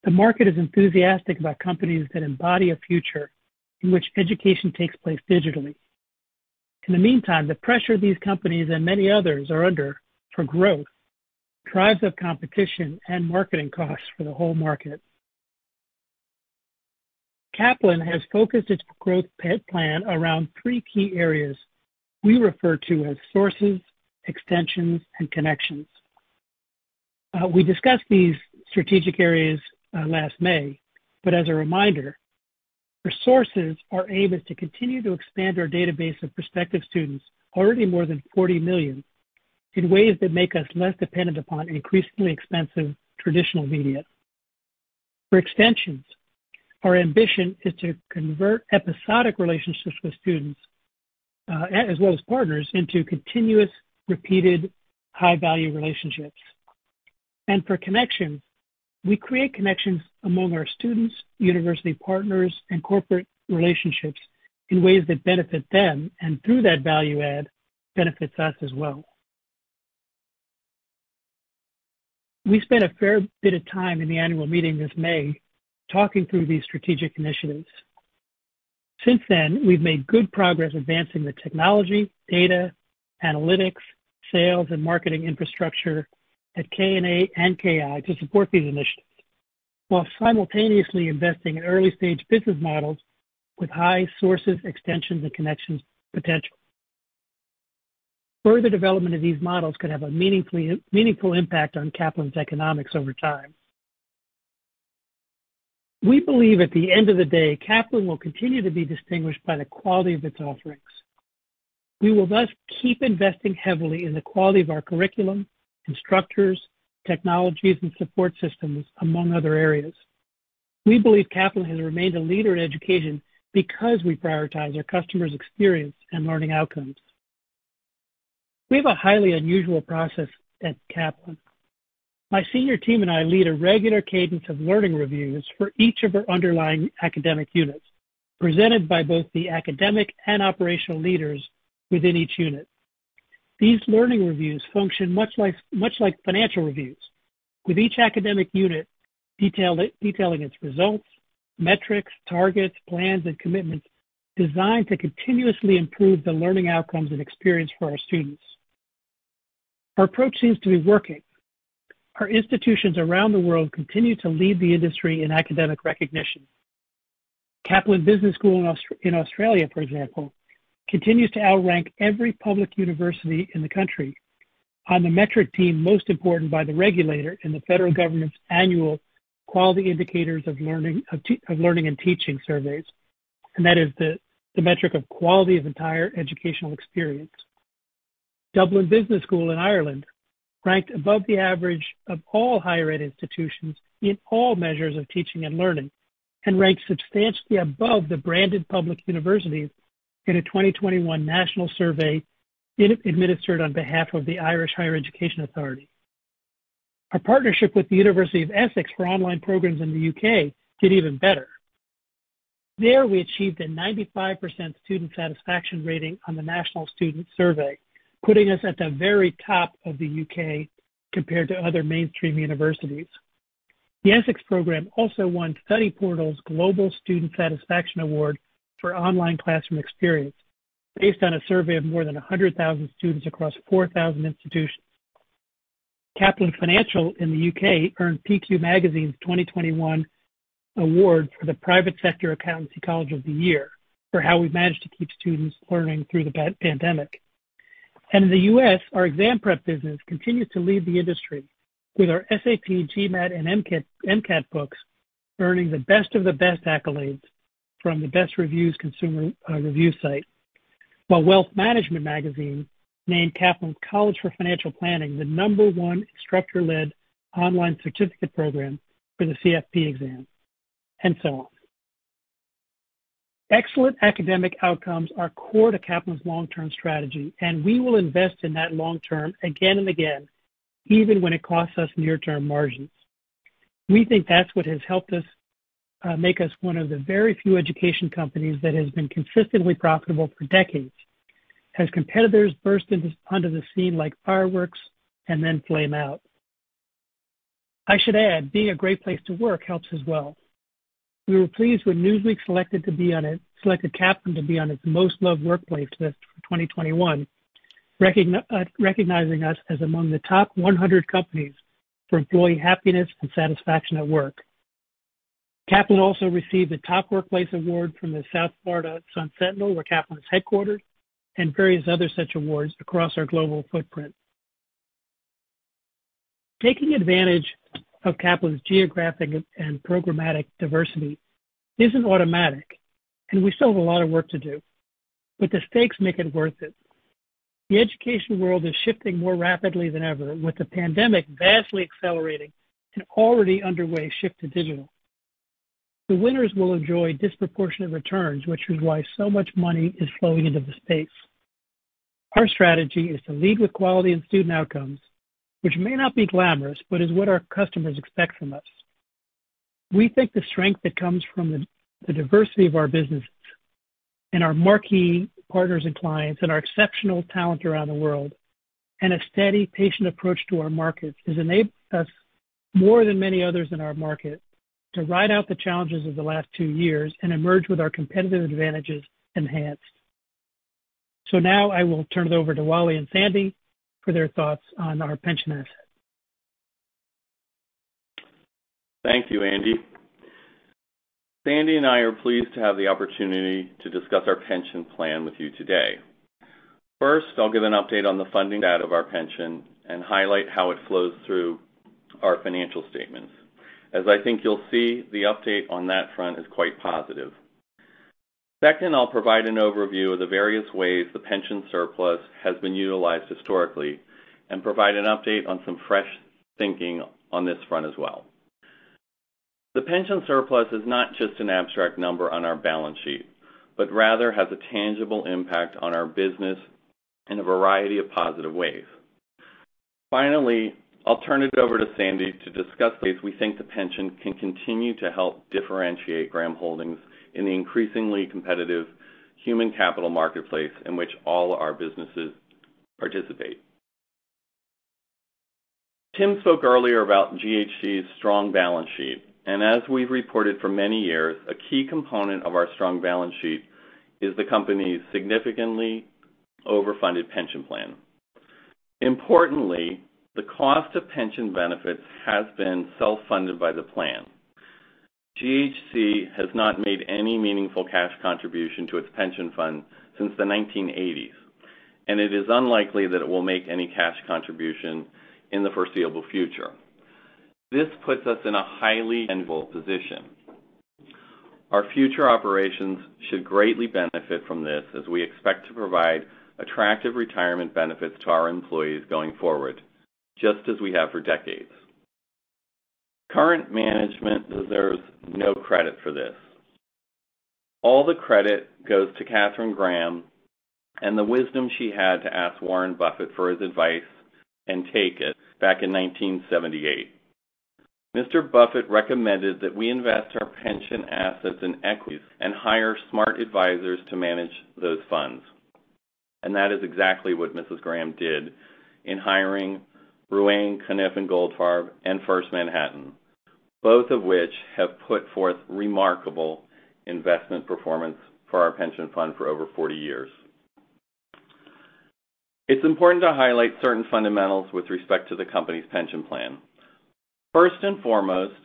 the market is enthusiastic about companies that embody a future in which education takes place digitally. In the meantime, the pressure these companies and many others are under for growth drives up competition and marketing costs for the whole market. Kaplan has focused its growth plan around three key areas we refer to as sources, extensions, and connections. We discussed these strategic areas last May, but as a reminder, for sources, our aim is to continue to expand our database of prospective students, already more than 40 million, in ways that make us less dependent upon increasingly expensive traditional media. For extensions, our ambition is to convert episodic relationships with students, as well as partners, into continuous, repeated, high-value relationships. For connection, we create connections among our students, university partners, and corporate relationships in ways that benefit them, and through that value add, benefits us as well. We spent a fair bit of time in the annual meeting this May talking through these strategic initiatives. Since then, we've made good progress advancing the technology, data, analytics, sales, and marketing infrastructure at KNA and KI to support these initiatives while simultaneously investing in early-stage business models with high growth, expansion, and connection potential. Further development of these models could have a meaningful impact on Kaplan's economics over time. We believe at the end of the day, Kaplan will continue to be distinguished by the quality of its offerings. We will thus keep investing heavily in the quality of our curriculum, instructors, technologies, and support systems, among other areas. We believe Kaplan has remained a leader in education because we prioritize our customers' experience and learning outcomes. We have a highly unusual process at Kaplan. My senior team and I lead a regular cadence of learning reviews for each of our underlying academic units, presented by both the academic and operational leaders within each unit. These learning reviews function much like financial reviews, with each academic unit detailing its results, metrics, targets, plans, and commitments designed to continuously improve the learning outcomes and experience for our students. Our approach seems to be working. Our institutions around the world continue to lead the industry in academic recognition. Kaplan Business School in Australia, for example, continues to outrank every public university in the country on the metric deemed most important by the regulator in the federal government's annual quality indicators of learning and teaching surveys. That is the metric of quality of entire educational experience. Dublin Business School in Ireland ranked above the average of all higher ed institutions in all measures of teaching and learning, and ranked substantially above the branded public universities in a 2021 national survey it administered on behalf of the Irish Higher Education Authority. Our partnership with the University of Essex for online programs in the U.K. did even better. There, we achieved a 95% student satisfaction rating on the National Student Survey, putting us at the very top of the U.K. compared to other mainstream universities. The Essex program also won Studyportals' Global Student Satisfaction Award for online classroom experience based on a survey of more than 100,000 students across 4,000 institutions. Kaplan Financial in the U.K. earned PQ Magazine's 2020 award for the Private Sector Accountancy College of the Year for how we've managed to keep students learning through the pandemic. In the U.S., our exam prep business continues to lead the industry with our SAT, GMAT, and MCAT books earning the best of the best accolades from the BestReviews consumer review site. While Wealth Management Magazine named Kaplan's College for Financial Planning the number one instructor-led online certificate program for the CFP exam, and so on. Excellent academic outcomes are core to Kaplan's long-term strategy, and we will invest in that long term again and again, even when it costs us near-term margins. We think that's what has helped us make us one of the very few education companies that has been consistently profitable for decades, as competitors burst onto the scene like fireworks and then flame out. I should add, being a great place to work helps as well. We were pleased when Newsweek selected Kaplan to be on its Most Loved Workplace list for 2021, recognizing us as among the top 100 companies for employee happiness and satisfaction at work. Kaplan also received a top workplace award from the Sun Sentinel, where Kaplan's headquartered, and various other such awards across our global footprint. Taking advantage of Kaplan's geographic and programmatic diversity isn't automatic, and we still have a lot of work to do, but the stakes make it worth it. The education world is shifting more rapidly than ever, with the pandemic vastly accelerating an already underway shift to digital. The winners will enjoy disproportionate returns, which is why so much money is flowing into the space. Our strategy is to lead with quality and student outcomes, which may not be glamorous, but is what our customers expect from us. We think the strength that comes from the diversity of our business and our marquee partners and clients and our exceptional talent around the world, and a steady, patient approach to our markets has enabled us, more than many others in our market, to ride out the challenges of the last two years and emerge with our competitive advantages enhanced. Now I will turn it over to Wally and Sandy for their thoughts on our pension assets. Thank you, Andy. Sandy and I are pleased to have the opportunity to discuss our pension plan with you today. First, I'll give an update on the funding data of our pension and highlight how it flows through our financial statements. As I think you'll see, the update on that front is quite positive. Second, I'll provide an overview of the various ways the pension surplus has been utilized historically and provide an update on some fresh thinking on this front as well. The pension surplus is not just an abstract number on our balance sheet, but rather has a tangible impact on our business in a variety of positive ways. Finally, I'll turn it over to Sandy to discuss ways we think the pension can continue to help differentiate Graham Holdings in the increasingly competitive human capital marketplace in which all our businesses participate. Tim spoke earlier about GHC's strong balance sheet, and as we've reported for many years, a key component of our strong balance sheet is the company's significantly over-funded pension plan. Importantly, the cost of pension benefits has been self-funded by the plan. GHC has not made any meaningful cash contribution to its pension fund since the 1980s, and it is unlikely that it will make any cash contribution in the foreseeable future. This puts us in a highly enviable position. Our future operations should greatly benefit from this as we expect to provide attractive retirement benefits to our employees going forward, just as we have for decades. Current management deserves no credit for this. All the credit goes to Katharine Graham and the wisdom she had to ask Warren Buffett for his advice and take it back in 1978. Mr. Buffett recommended that we invest our pension assets in equities and hire smart advisors to manage those funds. That is exactly what Mrs. Graham did in hiring Ruane, Cunniff & Goldfarb and First Manhattan, both of which have put forth remarkable investment performance for our pension fund for over 40 years. It's important to highlight certain fundamentals with respect to the company's pension plan. First and foremost,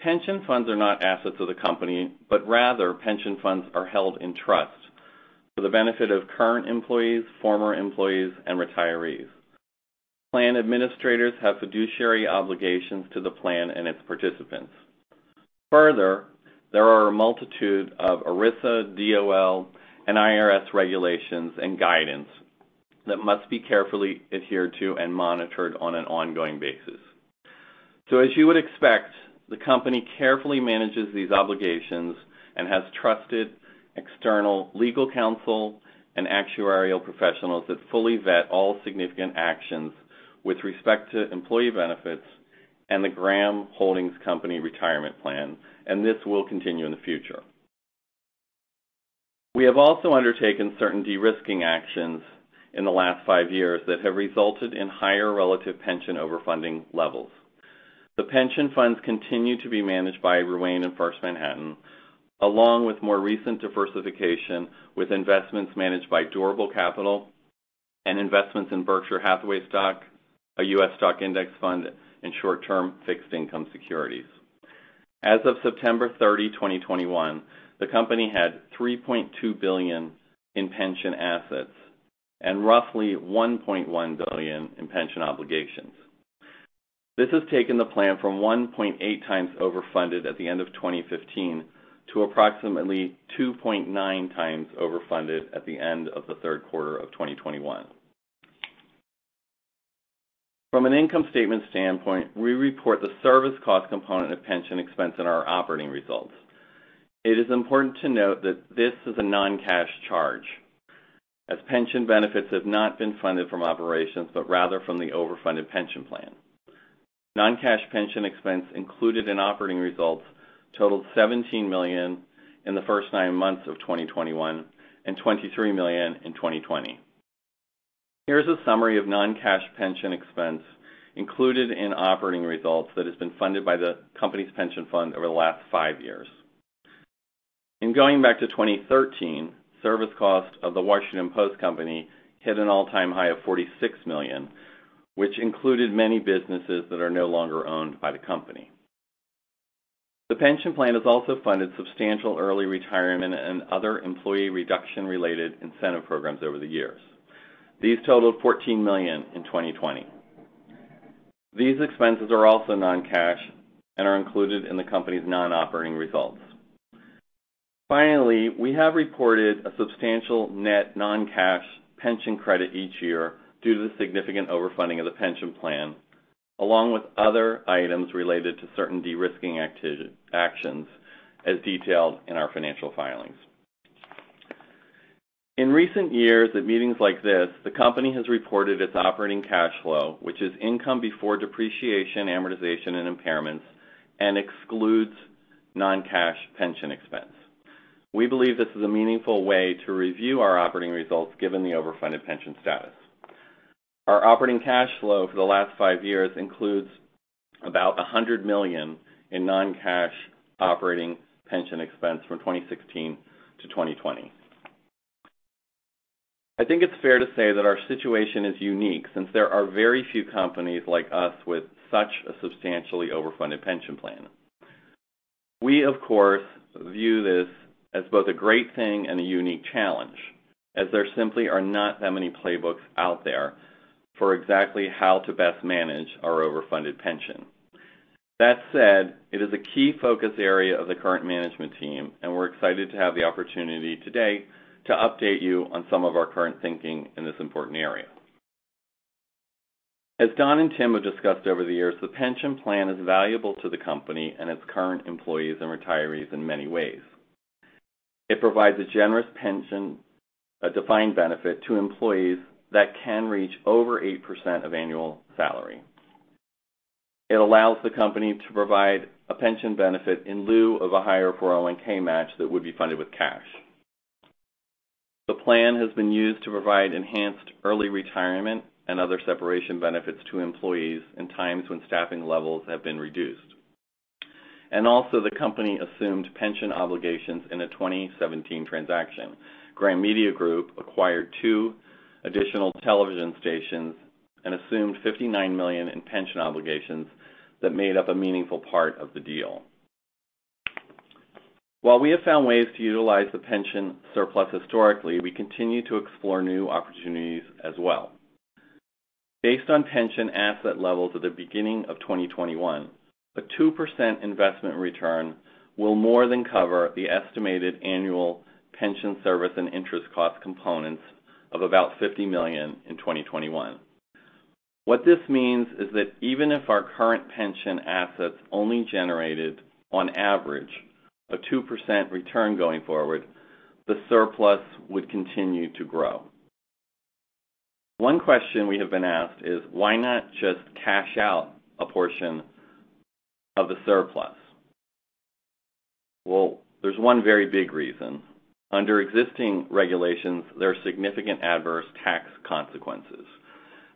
pension funds are not assets of the company, but rather pension funds are held in trust for the benefit of current employees, former employees, and retirees. Plan administrators have fiduciary obligations to the plan and its participants. Further, there are a multitude of ERISA, DOL, and IRS regulations and guidance that must be carefully adhered to and monitored on an ongoing basis. As you would expect, the company carefully manages these obligations and has trusted external legal counsel and actuarial professionals that fully vet all significant actions with respect to employee benefits and the Graham Holdings Company retirement plan, and this will continue in the future. We have also undertaken certain de-risking actions in the last five years that have resulted in higher relative pension overfunding levels. The pension funds continue to be managed by Ruane and First Manhattan, along with more recent diversification with investments managed by Durable Capital and investments in Berkshire Hathaway stock, a U.S. stock index fund, and short-term fixed income securities. As of September 30, 2021, the company had $3.2 billion in pension assets and roughly $1.1 billion in pension obligations. This has taken the plan from 1.8x overfunded at the end of 2015 to approximately 2.9x overfunded at the end of the third quarter of 2021. From an income statement standpoint, we report the service cost component of pension expense in our operating results. It is important to note that this is a non-cash charge, as pension benefits have not been funded from operations, but rather from the overfunded pension plan. Non-cash pension expense included in operating results totaled $17 million in the first nine months of 2021 and $23 million in 2020. Here's a summary of non-cash pension expense included in operating results that has been funded by the company's pension fund over the last five years. Going back to 2013, service cost of The Washington Post Company hit an all-time high of $46 million, which included many businesses that are no longer owned by the company. The pension plan has also funded substantial early retirement and other employee reduction-related incentive programs over the years. These totaled $14 million in 2020. These expenses are also non-cash and are included in the company's non-operating results. Finally, we have reported a substantial net non-cash pension credit each year due to the significant overfunding of the pension plan, along with other items related to certain de-risking actions as detailed in our financial filings. In recent years, at meetings like this, the company has reported its operating cash flow, which is income before depreciation, amortization, and impairments and excludes non-cash pension expense. We believe this is a meaningful way to review our operating results given the overfunded pension status. Our operating cash flow for the last five years includes about $100 million in non-cash operating pension expense from 2016-2020. I think it's fair to say that our situation is unique since there are very few companies like us with such a substantially overfunded pension plan. We, of course, view this as both a great thing and a unique challenge, as there simply are not that many playbooks out there for exactly how to best manage our overfunded pension. That said, it is a key focus area of the current management team, and we're excited to have the opportunity today to update you on some of our current thinking in this important area. As Don and Tim have discussed over the years, the pension plan is valuable to the company and its current employees and retirees in many ways. It provides a generous pension, a defined benefit to employees that can reach over 8% of annual salary. It allows the company to provide a pension benefit in lieu of a higher 401(k) match that would be funded with cash. The plan has been used to provide enhanced early retirement and other separation benefits to employees in times when staffing levels have been reduced. also, the company assumed pension obligations in a 2017 transaction. Graham Media Group acquired two additional television stations and assumed $59 million in pension obligations that made up a meaningful part of the deal. While we have found ways to utilize the pension surplus historically, we continue to explore new opportunities as well. Based on pension asset levels at the beginning of 2021, a 2% investment return will more than cover the estimated annual pension service and interest cost components of about $50 million in 2021. What this means is that even if our current pension assets only generated on average a 2% return going forward, the surplus would continue to grow. One question we have been asked is: Why not just cash out a portion of the surplus? Well, there's one very big reason. Under existing regulations, there are significant adverse tax consequences.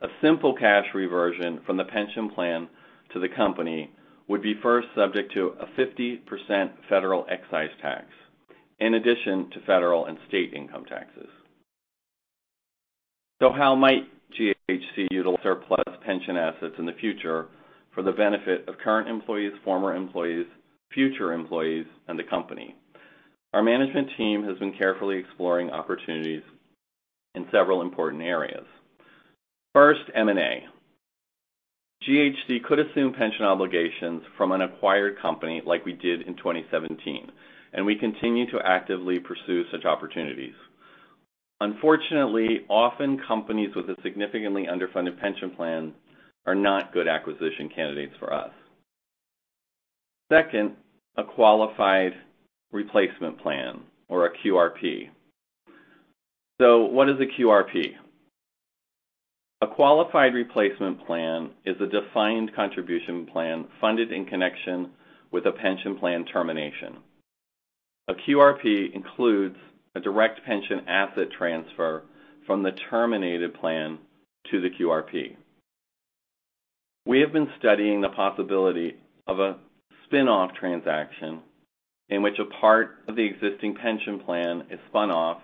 A simple cash reversion from the pension plan to the company would be first subject to a 50% federal excise tax in addition to federal and state income taxes. How might GHC utilize surplus pension assets in the future for the benefit of current employees, former employees, future employees, and the company? Our management team has been carefully exploring opportunities in several important areas. First, M&A. GHC could assume pension obligations from an acquired company like we did in 2017, and we continue to actively pursue such opportunities. Unfortunately, often companies with a significantly underfunded pension plan are not good acquisition candidates for us. Second, a qualified replacement plan or a QRP. What is a QRP? A qualified replacement plan is a defined contribution plan funded in connection with a pension plan termination. A QRP includes a direct pension asset transfer from the terminated plan to the QRP. We have been studying the possibility of a spin-off transaction in which a part of the existing pension plan is spun off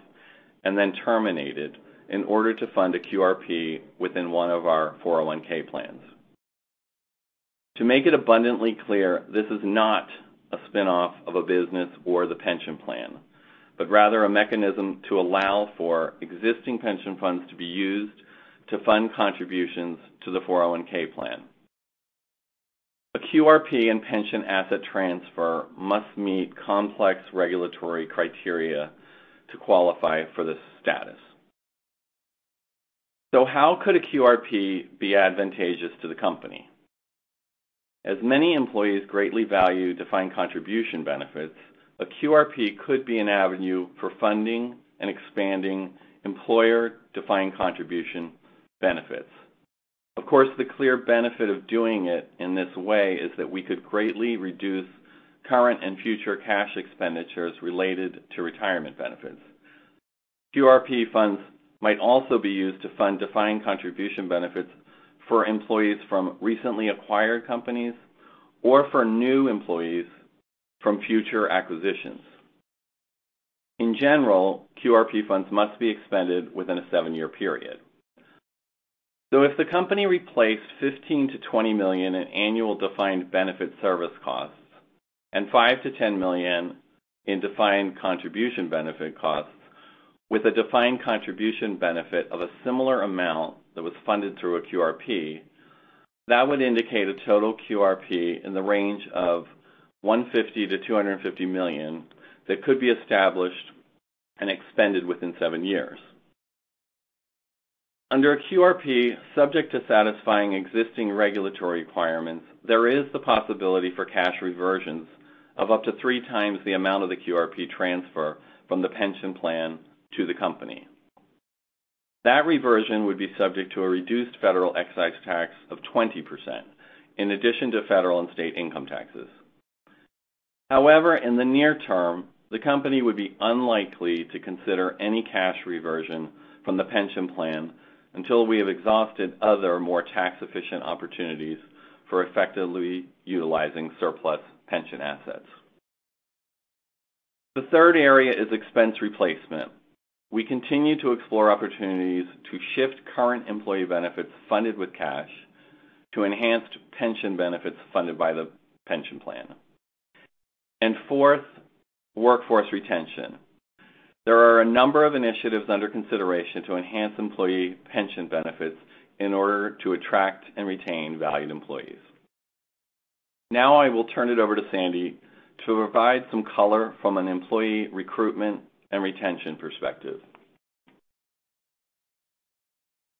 and then terminated in order to fund a QRP within one of our 401(k) plans. To make it abundantly clear, this is not a spin-off of a business or the pension plan, but rather a mechanism to allow for existing pension funds to be used to fund contributions to the 401(k) plan. A QRP and pension asset transfer must meet complex regulatory criteria to qualify for this status. How could a QRP be advantageous to the company? As many employees greatly value defined contribution benefits, a QRP could be an avenue for funding and expanding employer-defined contribution benefits. Of course, the clear benefit of doing it in this way is that we could greatly reduce current and future cash expenditures related to retirement benefits. QRP funds might also be used to fund defined contribution benefits for employees from recently acquired companies or for new employees from future acquisitions. In general, QRP funds must be expended within a seven-year period. If the company replaced $15 million-$20 million in annual defined benefit service costs and $5 million-$10 million in defined contribution benefit costs with a defined contribution benefit of a similar amount that was funded through a QRP, that would indicate a total QRP in the range of $150 million-$250 million that could be established and expended within seven years. Under a QRP, subject to satisfying existing regulatory requirements, there is the possibility for cash reversions of up to 3x the amount of the QRP transfer from the pension plan to the company. That reversion would be subject to a reduced federal excise tax of 20% in addition to federal and state income taxes. However, in the near term, the company would be unlikely to consider any cash reversion from the pension plan until we have exhausted other more tax-efficient opportunities for effectively utilizing surplus pension assets. The third area is expense replacement. We continue to explore opportunities to shift current employee benefits funded with cash to enhanced pension benefits funded by the pension plan. Fourth, workforce retention. There are a number of initiatives under consideration to enhance employee pension benefits in order to attract and retain valued employees. Now I will turn it over to Sandy to provide some color from an employee recruitment and retention perspective.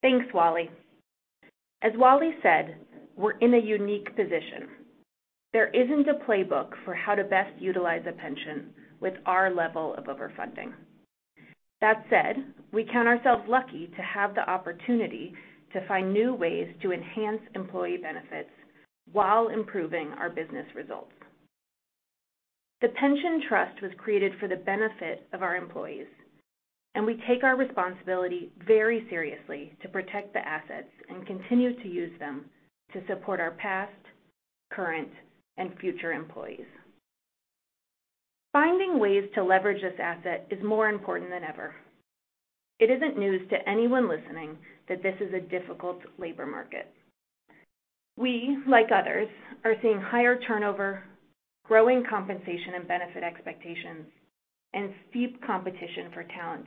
Thanks, Wally. As Wally said, we're in a unique position. There isn't a playbook for how to best utilize a pension with our level of overfunding. That said, we count ourselves lucky to have the opportunity to find new ways to enhance employee benefits while improving our business results. The pension trust was created for the benefit of our employees, and we take our responsibility very seriously to protect the assets and continue to use them to support our past, current, and future employees. Finding ways to leverage this asset is more important than ever. It isn't news to anyone listening that this is a difficult labor market. We, like others, are seeing higher turnover, growing compensation and benefit expectations, and steep competition for talent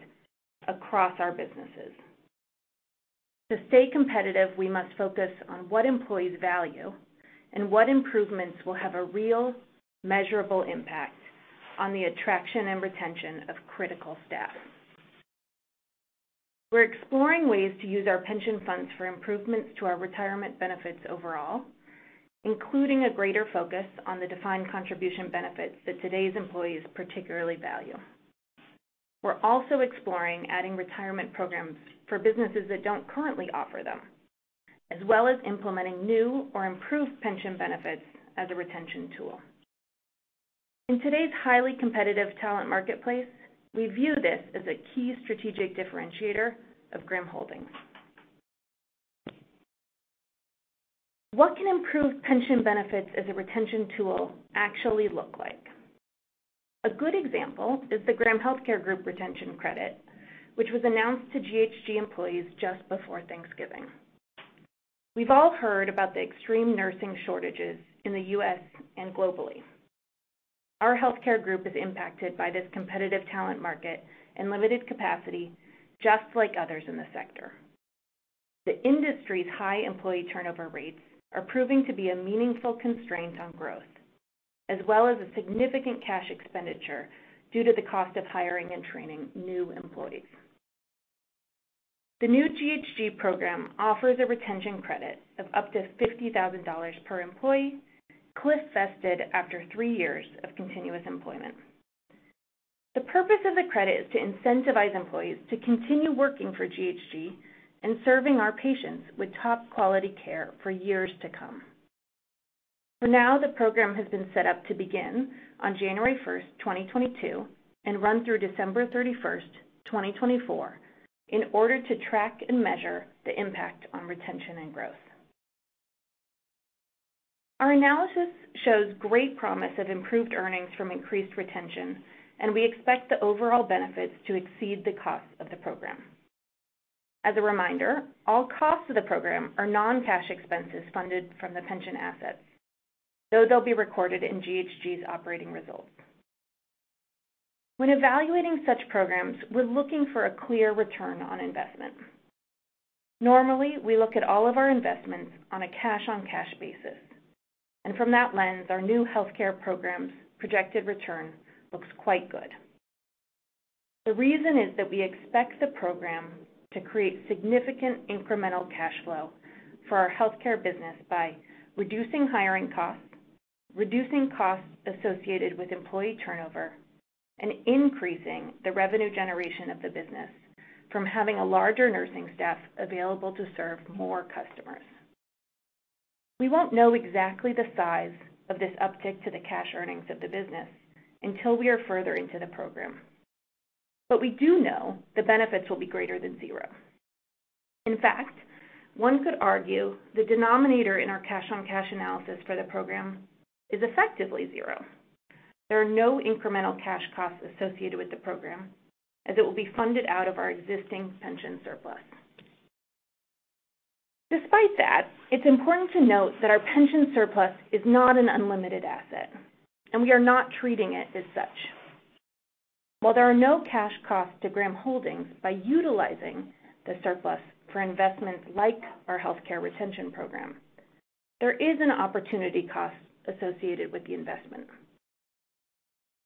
across our businesses. To stay competitive, we must focus on what employees value and what improvements will have a real, measurable impact on the attraction and retention of critical staff. We're exploring ways to use our pension funds for improvements to our retirement benefits overall, including a greater focus on the defined contribution benefits that today's employees particularly value. We're also exploring adding retirement programs for businesses that don't currently offer them, as well as implementing new or improved pension benefits as a retention tool. In today's highly competitive talent marketplace, we view this as a key strategic differentiator of Graham Holdings. What can improved pension benefits as a retention tool actually look like? A good example is the Graham Healthcare Group retention credit, which was announced to GHG employees just before Thanksgiving. We've all heard about the extreme nursing shortages in the U.S. and globally. Our healthcare group is impacted by this competitive talent market and limited capacity, just like others in the sector. The industry's high employee turnover rates are proving to be a meaningful constraint on growth, as well as a significant cash expenditure due to the cost of hiring and training new employees. The new GHG program offers a retention credit of up to $50,000 per employee, cliff-vested after three years of continuous employment. The purpose of the credit is to incentivize employees to continue working for GHG and serving our patients with top-quality care for years to come. For now, the program has been set up to begin on January 1, 2022, and run through December 31, 2024, in order to track and measure the impact on retention and growth. Our analysis shows great promise of improved earnings from increased retention, and we expect the overall benefits to exceed the cost of the program. As a reminder, all costs of the program are non-cash expenses funded from the pension assets, though they'll be recorded in GHG's operating results. When evaluating such programs, we're looking for a clear ROI. Normally, we look at all of our investments on a cash-on-cash basis. From that lens, our new healthcare program's projected return looks quite good. The reason is that we expect the program to create significant incremental cash flow for our healthcare business by reducing hiring costs, reducing costs associated with employee turnover, and increasing the revenue generation of the business from having a larger nursing staff available to serve more customers. We won't know exactly the size of this uptick to the cash earnings of the business until we are further into the program. We do know the benefits will be greater than zero. In fact, one could argue the denominator in our cash-on-cash analysis for the program is effectively zero. There are no incremental cash costs associated with the program, as it will be funded out of our existing pension surplus. Despite that, it's important to note that our pension surplus is not an unlimited asset, and we are not treating it as such. While there are no cash costs to Graham Holdings by utilizing the surplus for investments like our healthcare retention program, there is an opportunity cost associated with the investment.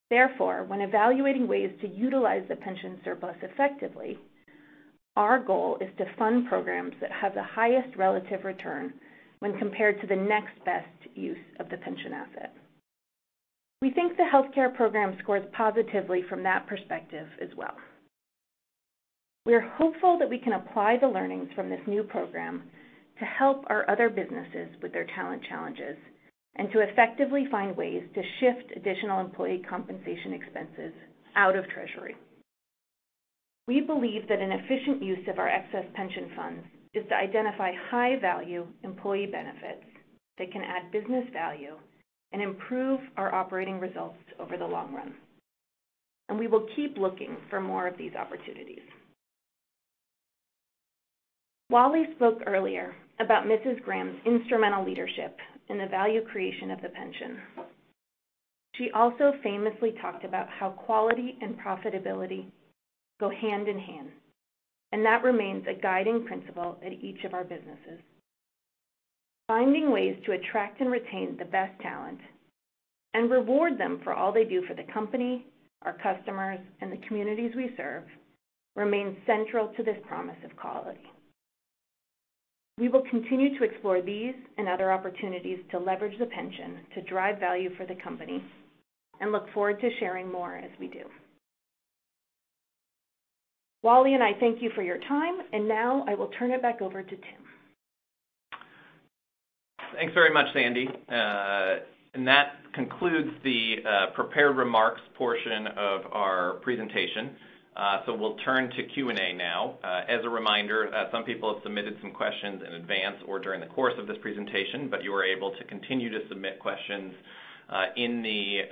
Therefore, when evaluating ways to utilize the pension surplus effectively, our goal is to fund programs that have the highest relative return when compared to the next best use of the pension asset. We think the healthcare program scores positively from that perspective as well. We are hopeful that we can apply the learnings from this new program to help our other businesses with their talent challenges and to effectively find ways to shift additional employee compensation expenses out of treasury. We believe that an efficient use of our excess pension funds is to identify high-value employee benefits that can add business value and improve our operating results over the long run, and we will keep looking for more of these opportunities. Wally spoke earlier about Mrs. Graham's instrumental leadership in the value creation of the pension. She also famously talked about how quality and profitability go hand in hand, and that remains a guiding principle at each of our businesses. Finding ways to attract and retain the best talent and reward them for all they do for the company, our customers, and the communities we serve remains central to this promise of quality. We will continue to explore these and other opportunities to leverage the pension to drive value for the company and look forward to sharing more as we do. Wally and I thank you for your time, and now I will turn it back over to Tim. Thanks very much, Sandy. That concludes the prepared remarks portion of our presentation. We'll turn to Q&A now. As a reminder, some people have submitted some questions in advance or during the course of this presentation, but you are able to continue to submit questions in the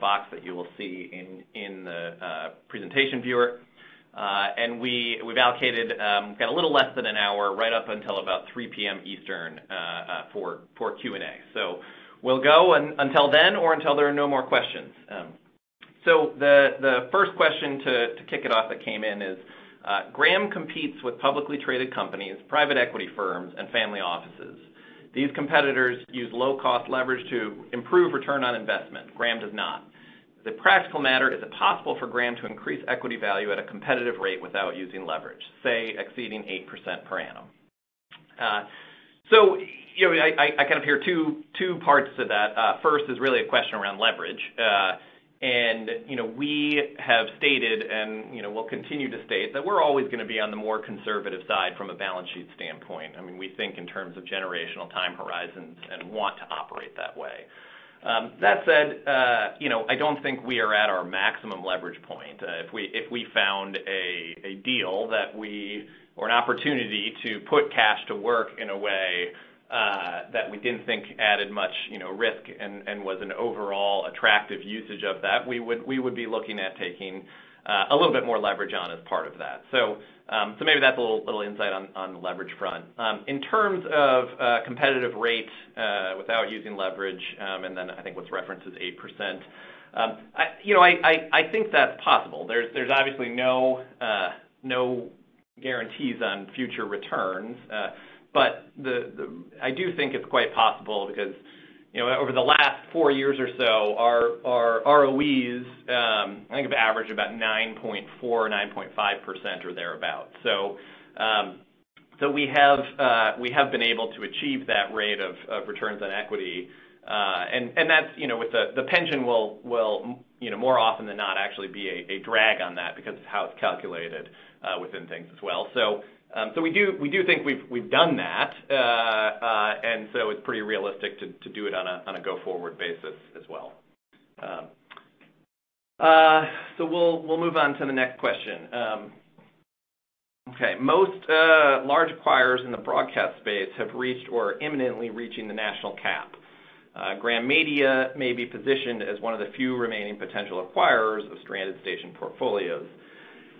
box that you will see in the presentation viewer. We've got a little less than an hour right up until about 3:00P.M. Eastern for Q&A. We'll go until then or until there are no more questions. The first question to kick it off that came in is, Graham competes with publicly traded companies, private equity firms, and family offices. These competitors use low-cost leverage to improve return on investment. Graham does not. The practical matter, is it possible for Graham to increase equity value at a competitive rate without using leverage, say, exceeding 8% per annum? I kind of hear two parts to that. First is really a question around leverage. We have stated we'll continue to state that we're always gonna be on the more conservative side from a balance sheet standpoint. I mean, we think in terms of generational time horizons and want to operate that way. That said, I don't think we are at our maximum leverage point. If we found a deal or an opportunity to put cash to work in a way that we didn't think added much risk and was an overall attractive usage of that. We would be looking at taking a little bit more leverage on as part of that. Maybe that's a little insight on the leverage front. In terms of competitive rates without using leverage, and then I think what's referenced is 8%. You know, I think that's possible. There's obviously no guarantees on future returns. I do think it's quite possible because you know, over the last four years or so, our ROEs I think have averaged about 9.4, 9.5% or thereabout. We have been able to achieve that rate of returns on equity, and that's, you know, with the pension will more often than not actually be a drag on that because of how it's calculated within things as well. We do think we've done that. It's pretty realistic to do it on a go-forward basis as well. We'll move on to the next question. Most large acquirers in the broadcast space have reached or are imminently reaching the national cap. Graham Media may be positioned as one of the few remaining potential acquirers of stranded station portfolios.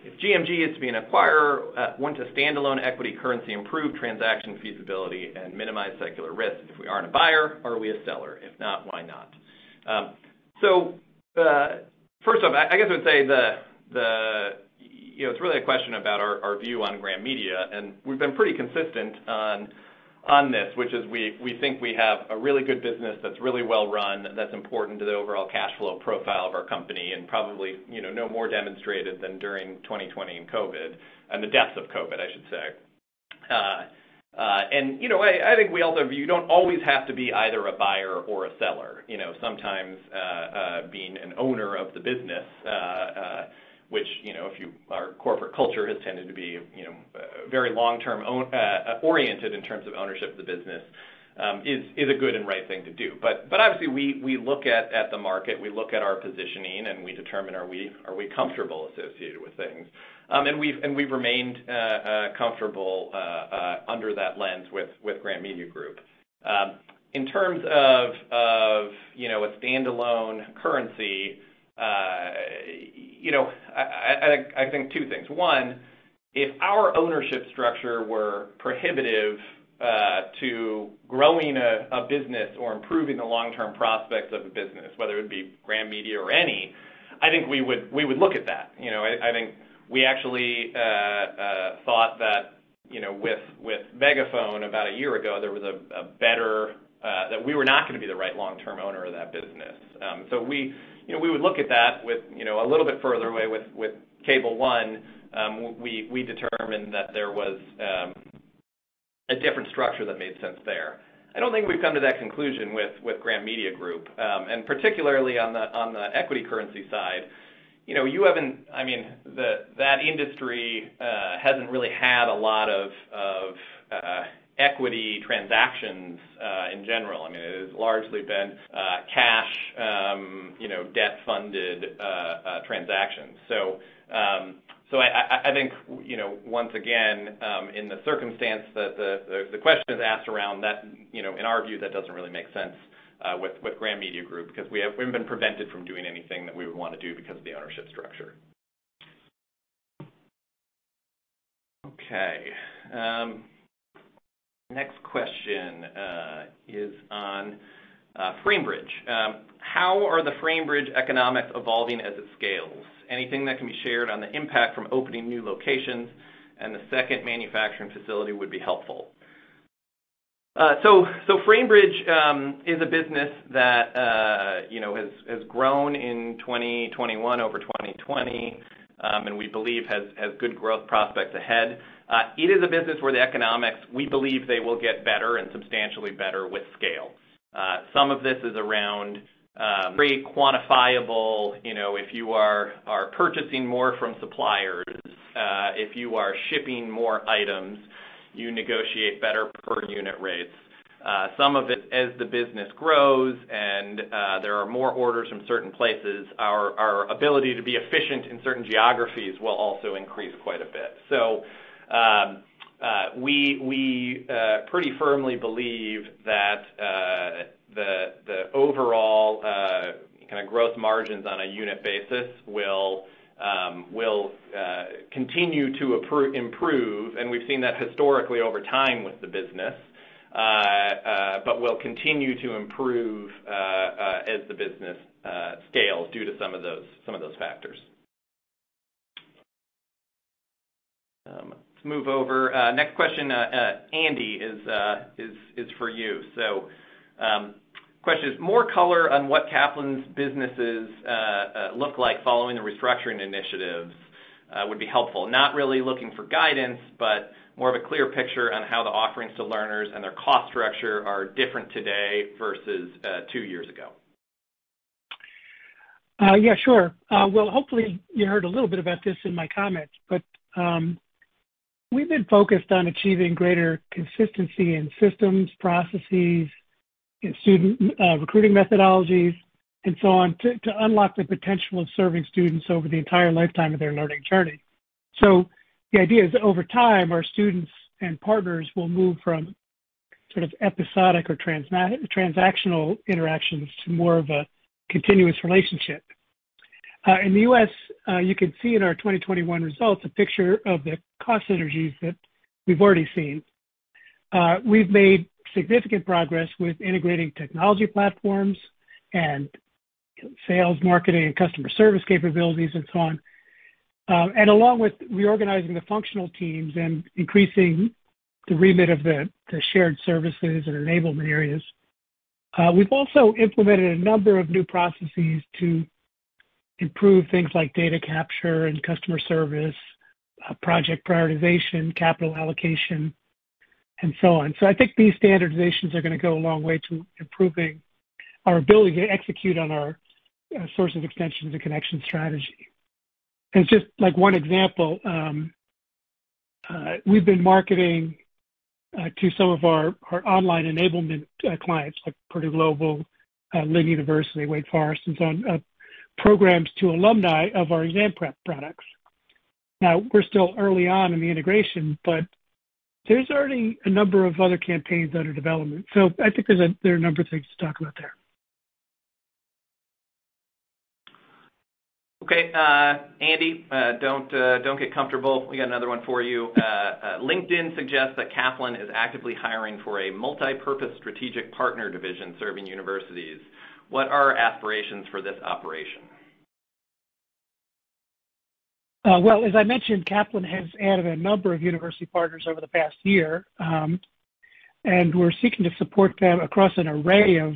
If GMG is to be an acquirer, wouldn't a standalone equity currency improve transaction feasibility and minimize secular risk? If we aren't a buyer, are we a seller? If not, why not? First off, I guess I would say you know, it's really a question about our view on Graham Media, and we've been pretty consistent on this, which is we think we have a really good business that's really well-run, that's important to the overall cash flow profile of our company, and probably, you know, no more demonstrated than during 2020 and COVID, and the depths of COVID, I should say. You know, I think we also view you don't always have to be either a buyer or a seller. You know, sometimes being an owner of the business, which, you know, our corporate culture has tended to be, you know, very long-term oriented in terms of ownership of the business, is a good and right thing to do. Obviously, we look at the market, we look at our positioning, and we determine, are we comfortable associated with things? We've remained comfortable under that lens with Graham Media Group. In terms of, you know, a standalone currency, you know, I think two things. One, if our ownership structure were prohibitive to growing a business or improving the long-term prospects of a business, whether it be Graham Media or any, I think we would look at that. You know, I think we actually thought that, you know, with Megaphone about a year ago, that we were not gonna be the right long-term owner of that business. We, you know, would look at that, you know, a little bit further away with Cable ONE. We determined that there was a different structure that made sense there. I don't think we've come to that conclusion with Graham Media Group. Particularly on the equity currency side, you know, I mean, that industry hasn't really had a lot of equity transactions in general. I mean, it has largely been cash, you know, debt-funded transactions. I think, you know, once again, in the circumstance that the question is asked around, that, you know, in our view, that doesn't really make sense with Graham Media Group because we have been prevented from doing anything that we would wanna do because of the ownership structure. Okay. Next question is on Framebridge. How are the Framebridge economics evolving as it scales? Anything that can be shared on the impact from opening new locations and the second manufacturing facility would be helpful. Framebridge is a business that, you know, has grown in 2021 over 2020, and we believe has good growth prospects ahead. It is a business where the economics, we believe they will get better and substantially better with scale. Some of this is around pretty quantifiable, you know, if you are purchasing more from suppliers, if you are shipping more items, you negotiate better per unit rates. Some of it, as the business grows and there are more orders from certain places, our ability to be efficient in certain geographies will also increase quite a bit. We pretty firmly believe that the overall kinda growth margins on a unit basis will continue to improve, and we've seen that historically over time with the business, will continue to improve as the business scales due to some of those factors. Let's move over. Next question, Andy, is for you. Question is, more color on what Kaplan's businesses look like following the restructuring initiatives would be helpful. Not really looking for guidance, but more of a clear picture on how the offerings to learners and their cost structure are different today versus two years ago. Yeah, sure. Well, hopefully you heard a little bit about this in my comments, but we've been focused on achieving greater consistency in systems, processes, in student recruiting methodologies, and so on, to unlock the potential of serving students over the entire lifetime of their learning journey. The idea is over time, our students and partners will move from sort of episodic or transactional interactions to more of a continuous relationship. In the U.S., you can see in our 2021 results a picture of the cost synergies that we've already seen. We've made significant progress with integrating technology platforms and sales, marketing, and customer service capabilities and so on. Along with reorganizing the functional teams and increasing the remit of the shared services and enablement areas, we've also implemented a number of new processes to improve things like data capture and customer service, project prioritization, capital allocation, and so on. I think these standardizations are gonna go a long way to improving our ability to execute on our strategic extensions and connection strategy. As just, like, one example, we've been marketing to some of our online enablement clients like Purdue Global, Lynn University, Wake Forest, and so on, programs to alumni of our exam prep products. Now, we're still early on in the integration, but there's already a number of other campaigns that are in development. I think there are a number of things to talk about there. Okay. Andy, don't get comfortable. We got another one for you. LinkedIn suggests that Kaplan is actively hiring for a multipurpose strategic partner division serving universities. What are aspirations for this operation? Well, as I mentioned, Kaplan has added a number of university partners over the past year, and we're seeking to support them across an array of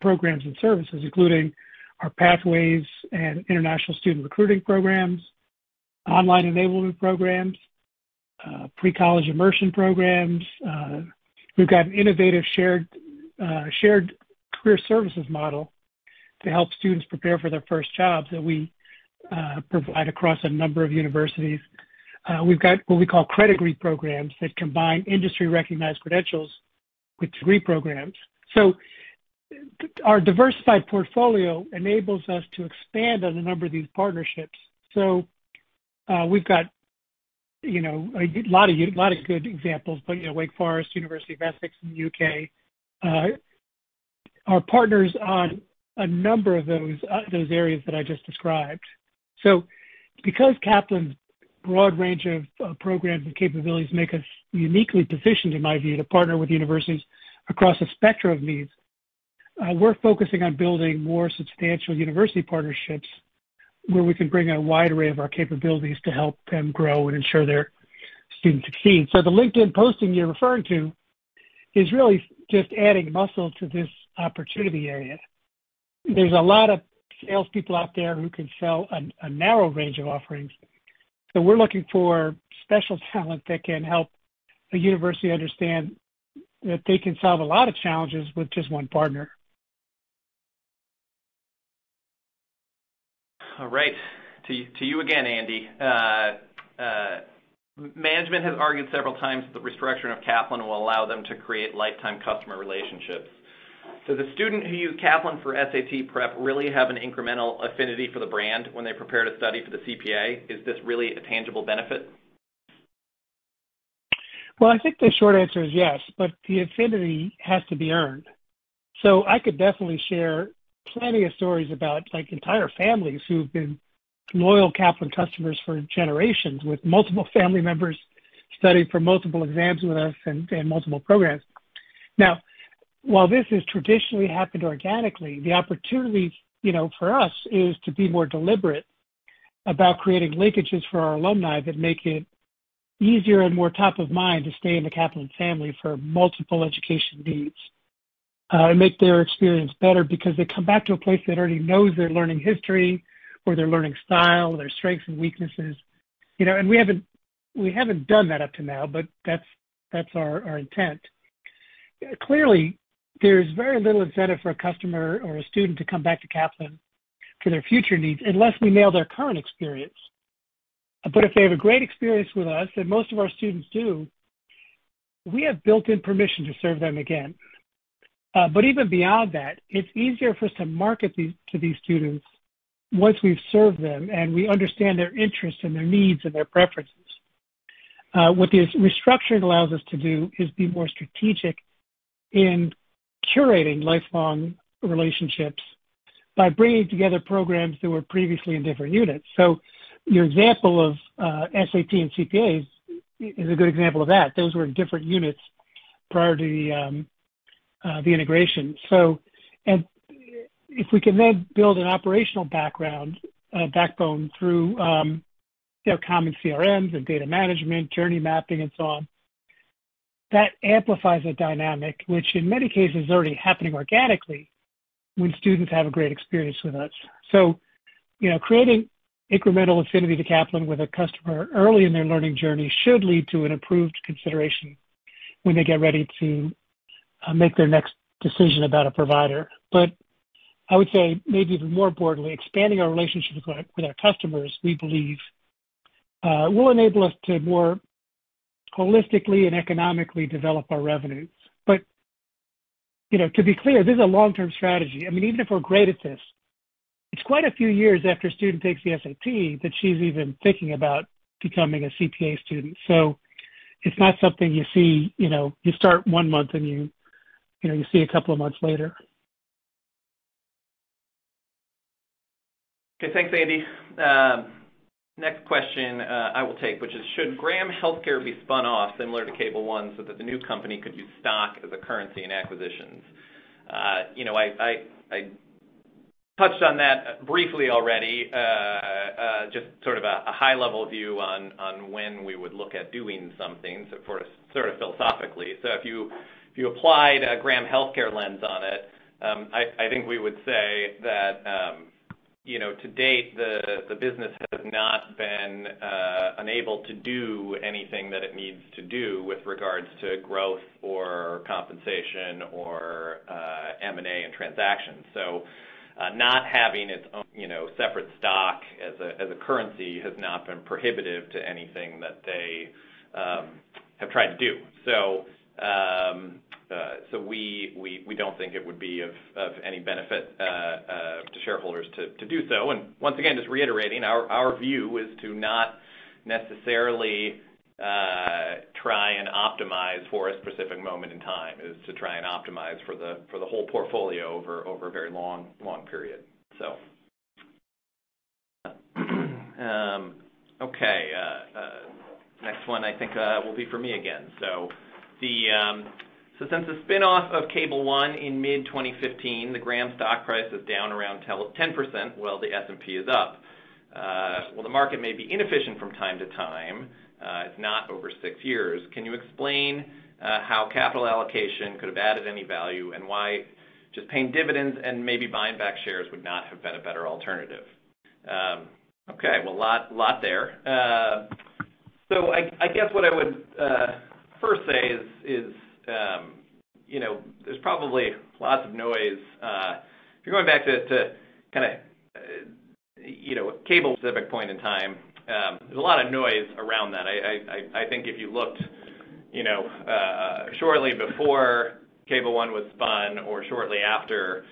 programs and services, including our pathways and international student recruiting programs, online enablement programs, pre-college immersion programs. We've got an innovative shared career services model to help students prepare for their first jobs that we provide across a number of universities. We've got what we call credit degree programs that combine industry-recognized credentials with degree programs. Our diversified portfolio enables us to expand on a number of these partnerships. We've got, you know, a lot of good examples. You know, Wake Forest, University of Essex in the U.K., are partners on a number of those areas that I just described. Because Kaplan's broad range of programs and capabilities make us uniquely positioned, in my view, to partner with universities across a spectrum of needs, we're focusing on building more substantial university partnerships where we can bring a wide array of our capabilities to help them grow and ensure their students succeed. The LinkedIn posting you're referring to is really just adding muscle to this opportunity area. There's a lot of salespeople out there who can sell a narrow range of offerings, so we're looking for special talent that can help a university understand that they can solve a lot of challenges with just one partner. All right. To you again, Andy. Management has argued several times the restructuring of Kaplan will allow them to create lifetime customer relationships. The student who use Kaplan for SAT prep really have an incremental affinity for the brand when they prepare to study for the CPA. Is this really a tangible benefit? Well, I think the short answer is yes, but the affinity has to be earned. I could definitely share plenty of stories about like entire families who've been loyal Kaplan customers for generations with multiple family members studying for multiple exams with us and multiple programs. Now, while this has traditionally happened organically, the opportunity, you know, for us is to be more deliberate about creating linkages for our alumni that make it easier and more top of mind to stay in the Kaplan family for multiple education needs, and make their experience better because they come back to a place that already knows their learning history or their learning style, their strengths and weaknesses. You know, and we haven't done that up to now, but that's our intent. Clearly, there's very little incentive for a customer or a student to come back to Kaplan for their future needs unless we nail their current experience. If they have a great experience with us, and most of our students do, we have built-in permission to serve them again. Even beyond that, it's easier for us to market to these students once we've served them and we understand their interests and their needs and their preferences. What this restructuring allows us to do is be more strategic in curating lifelong relationships by bringing together programs that were previously in different units. Your example of SAT and CPAs is a good example of that. Those were different units prior to the integration. If we can then build an operational backbone through, you know, common CRMs and data management, journey mapping and so on, that amplifies a dynamic which in many cases is already happening organically when students have a great experience with us. You know, creating incremental affinity to Kaplan with a customer early in their learning journey should lead to an improved consideration when they get ready to make their next decision about a provider. I would say maybe even more importantly, expanding our relationships with our customers, we believe, will enable us to more holistically and economically develop our revenues. You know, to be clear, this is a long-term strategy. I mean, even if we're great at this, it's quite a few years after a student takes the SAT that she's even thinking about becoming a CPA student. It's not something you see, you know. You start one month and you know, you see a couple of months later. Okay, thanks, Andy. Next question, I will take, which is, should Graham Healthcare be spun off similar to Cable ONE so that the new company could use stock as a currency in acquisitions? You know, I touched on that briefly already, just sort of a high-level view on when we would look at doing some things sort of philosophically. If you applied a Graham Healthcare lens on it, I think we would say that, you know, to date, the business has not been unable to do anything that it needs to do with regards to growth or compensation or M&A and transactions. Not having its own, you know, separate stock as a currency has not been prohibitive to anything that they have tried to do. We don't think it would be of any benefit to shareholders to do so. Once again, just reiterating our view is to not necessarily try and optimize for a specific moment in time, to try and optimize for the whole portfolio over a very long period. Okay, next one I think will be for me again. Since the spin-off of Cable ONE in mid-2015, the Graham stock price is down around 10%, while the S&P is up. While the market may be inefficient from time to time, it's not over six years. Can you explain how capital allocation could have added any value and why just paying dividends and maybe buying back shares would not have been a better alternative? Okay, well, a lot there. I guess what I would first say is, you know, there's probably lots of noise. If you're going back to kinda, you know, Cable ONE-specific point in time, there's a lot of noise around that. I think if you looked, you know, shortly before Cable ONE was spun or shortly after,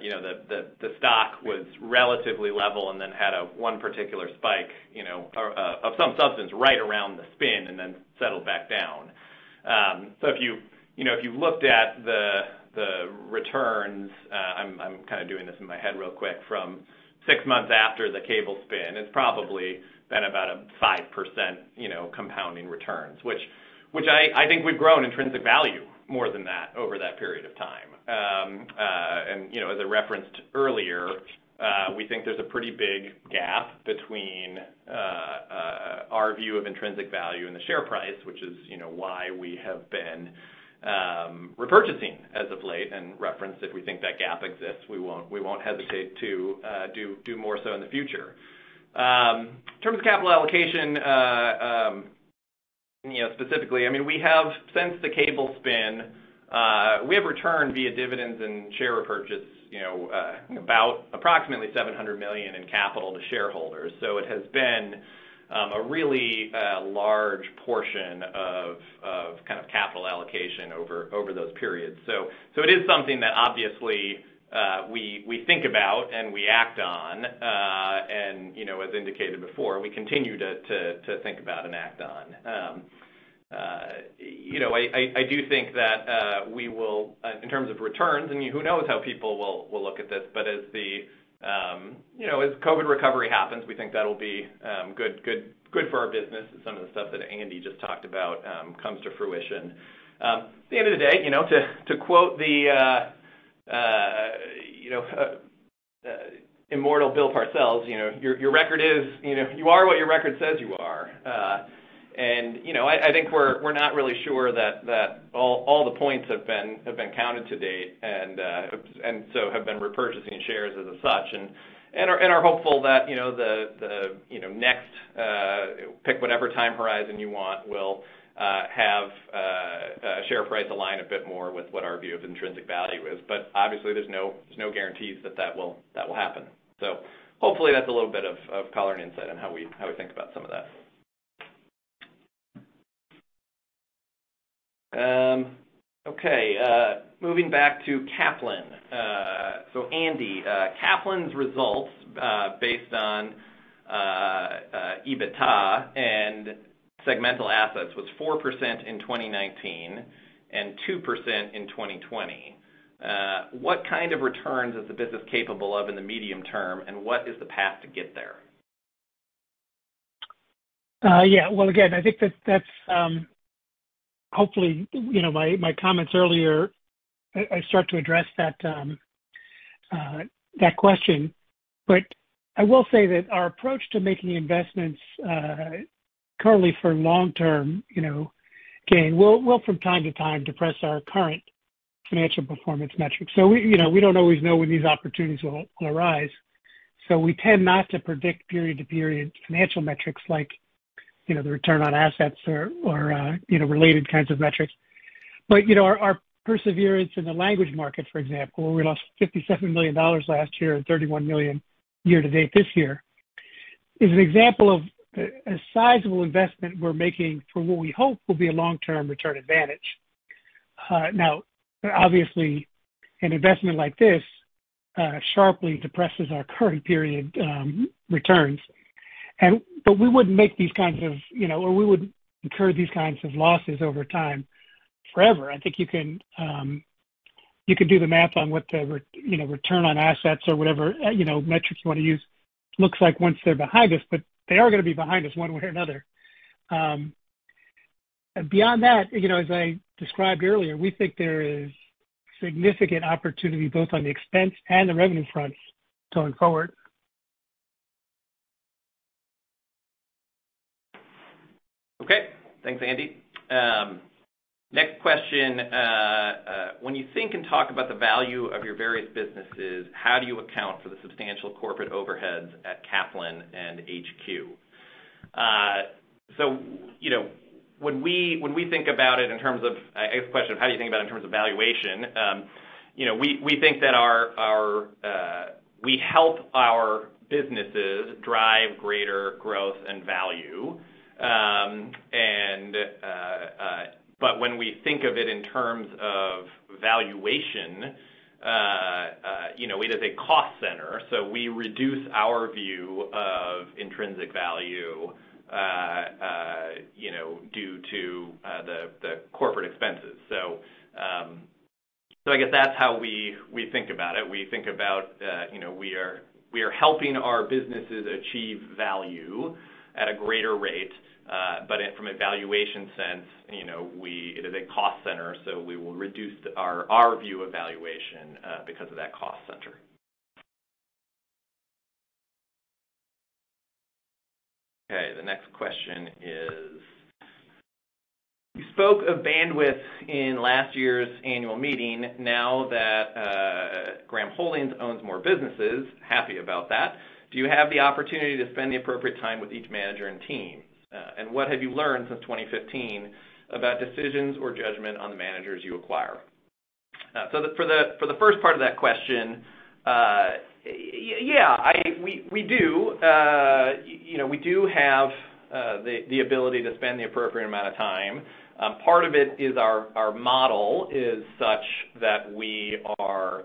you know, the stock was relatively level and then had one particular spike, you know, of some substance right around the spin and then settled back down. If you know, if you looked at the returns, I'm kinda doing this in my head real quick from six months after the Cable spin, it's probably been about a 5%, you know, compounding returns. Which I think we've grown intrinsic value more than that over that period of time. You know, as I referenced earlier, we think there's a pretty big gap between our view of intrinsic value and the share price, which is, you know, why we have been repurchasing as of late and referenced if we think that gap exists, we won't hesitate to do more so in the future. In terms of capital allocation, you know, specifically, I mean, we have since the Cable spin, we have returned via dividends and share repurchase, you know, about approximately $700 million in capital to shareholders. It has been a really large portion of kind of capital allocation over those periods. It is something that obviously we think about and we act on. You know, as indicated before, we continue to think about and act on. You know, I do think that we will in terms of returns, and who knows how people will look at this, but as you know, as COVID recovery happens, we think that'll be good for our business as some of the stuff that Andy just talked about comes to fruition. At the end of the day, you know, to quote the immortal Bill Parcells, you know, your record is you are what your record says you are. You know, I think we're not really sure that all the points have been counted to date, and so we have been repurchasing shares as such. We are hopeful that, you know, the, you know, next pick whatever time horizon you want will have a share price align a bit more with what our view of intrinsic value is. Obviously, there's no guarantees that that will happen. Hopefully, that's a little bit of color and insight on how we think about some of that. Okay, moving back to Kaplan. Andy, Kaplan's results based on EBITDA and segmental assets was 4% in 2019 and 2% in 2020. What kind of returns is the business capable of in the medium term, and what is the path to get there? Yeah. Again, I think that hopefully you know my comments earlier I start to address that question. I will say that our approach to making investments currently for long-term you know gain will from time to time depress our current financial performance metrics. We you know we don't always know when these opportunities will arise, so we tend not to predict period-to-period financial metrics like you know the return on assets or related kinds of metrics. You know our perseverance in the language market, for example, where we lost $57 million last year and $31 million year-to-date this year is an example of a sizable investment we're making for what we hope will be a long-term return advantage. Now, obviously, an investment like this sharply depresses our current period returns but we wouldn't make these kinds of, you know, or we wouldn't incur these kinds of losses over time forever. I think you can do the math on what the return on assets or whatever, you know, metrics you wanna use looks like once they're behind us, but they are gonna be behind us one way or another. Beyond that, you know, as I described earlier, we think there is significant opportunity both on the expense and the revenue fronts going forward. Okay. Thanks, Andy. Next question. When you think and talk about the value of your various businesses, how do you account for the substantial corporate overheads at Kaplan and HQ? You know, when we think about it in terms of a question of how do you think about it in terms of valuation, you know, we think that we help our businesses drive greater growth and value. But when we think of it in terms of valuation, you know, it is a cost center, so we reduce our view of intrinsic value, you know, due to the corporate expenses. I guess that's how we think about it. We think about, you know, we are helping our businesses achieve value at a greater rate, but from a valuation sense, you know, it is a cost center, so we will reduce our view of valuation, because of that cost center. Okay, the next question is: You spoke of bandwidth in last year's annual meeting. Now that Graham Holdings owns more businesses, happy about that, do you have the opportunity to spend the appropriate time with each manager and team? And what have you learned since 2015 about decisions or judgment on the managers you acquire? So for the first part of that question, yeah, we do. You know, we do have the ability to spend the appropriate amount of time. Part of it is our model is such that we are,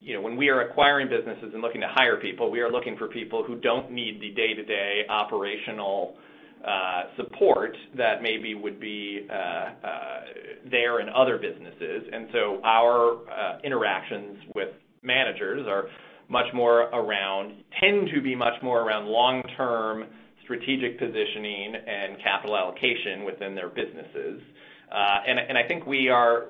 you know, when we are acquiring businesses and looking to hire people, we are looking for people who don't need the day-to-day operational support that maybe would be there in other businesses. Our interactions with managers tend to be much more around long-term strategic positioning and capital allocation within their businesses. I think we are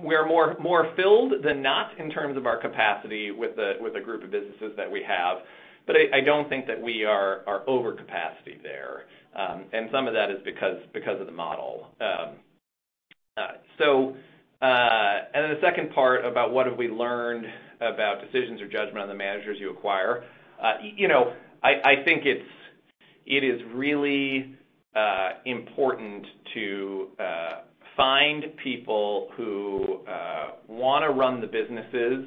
more filled than not in terms of our capacity with a group of businesses that we have, but I don't think that we are over capacity there. Some of that is because of the model. The second part about what have we learned about decisions or judgment on the managers you acquire. You know, I think it's, it is really important to find people who wanna run the businesses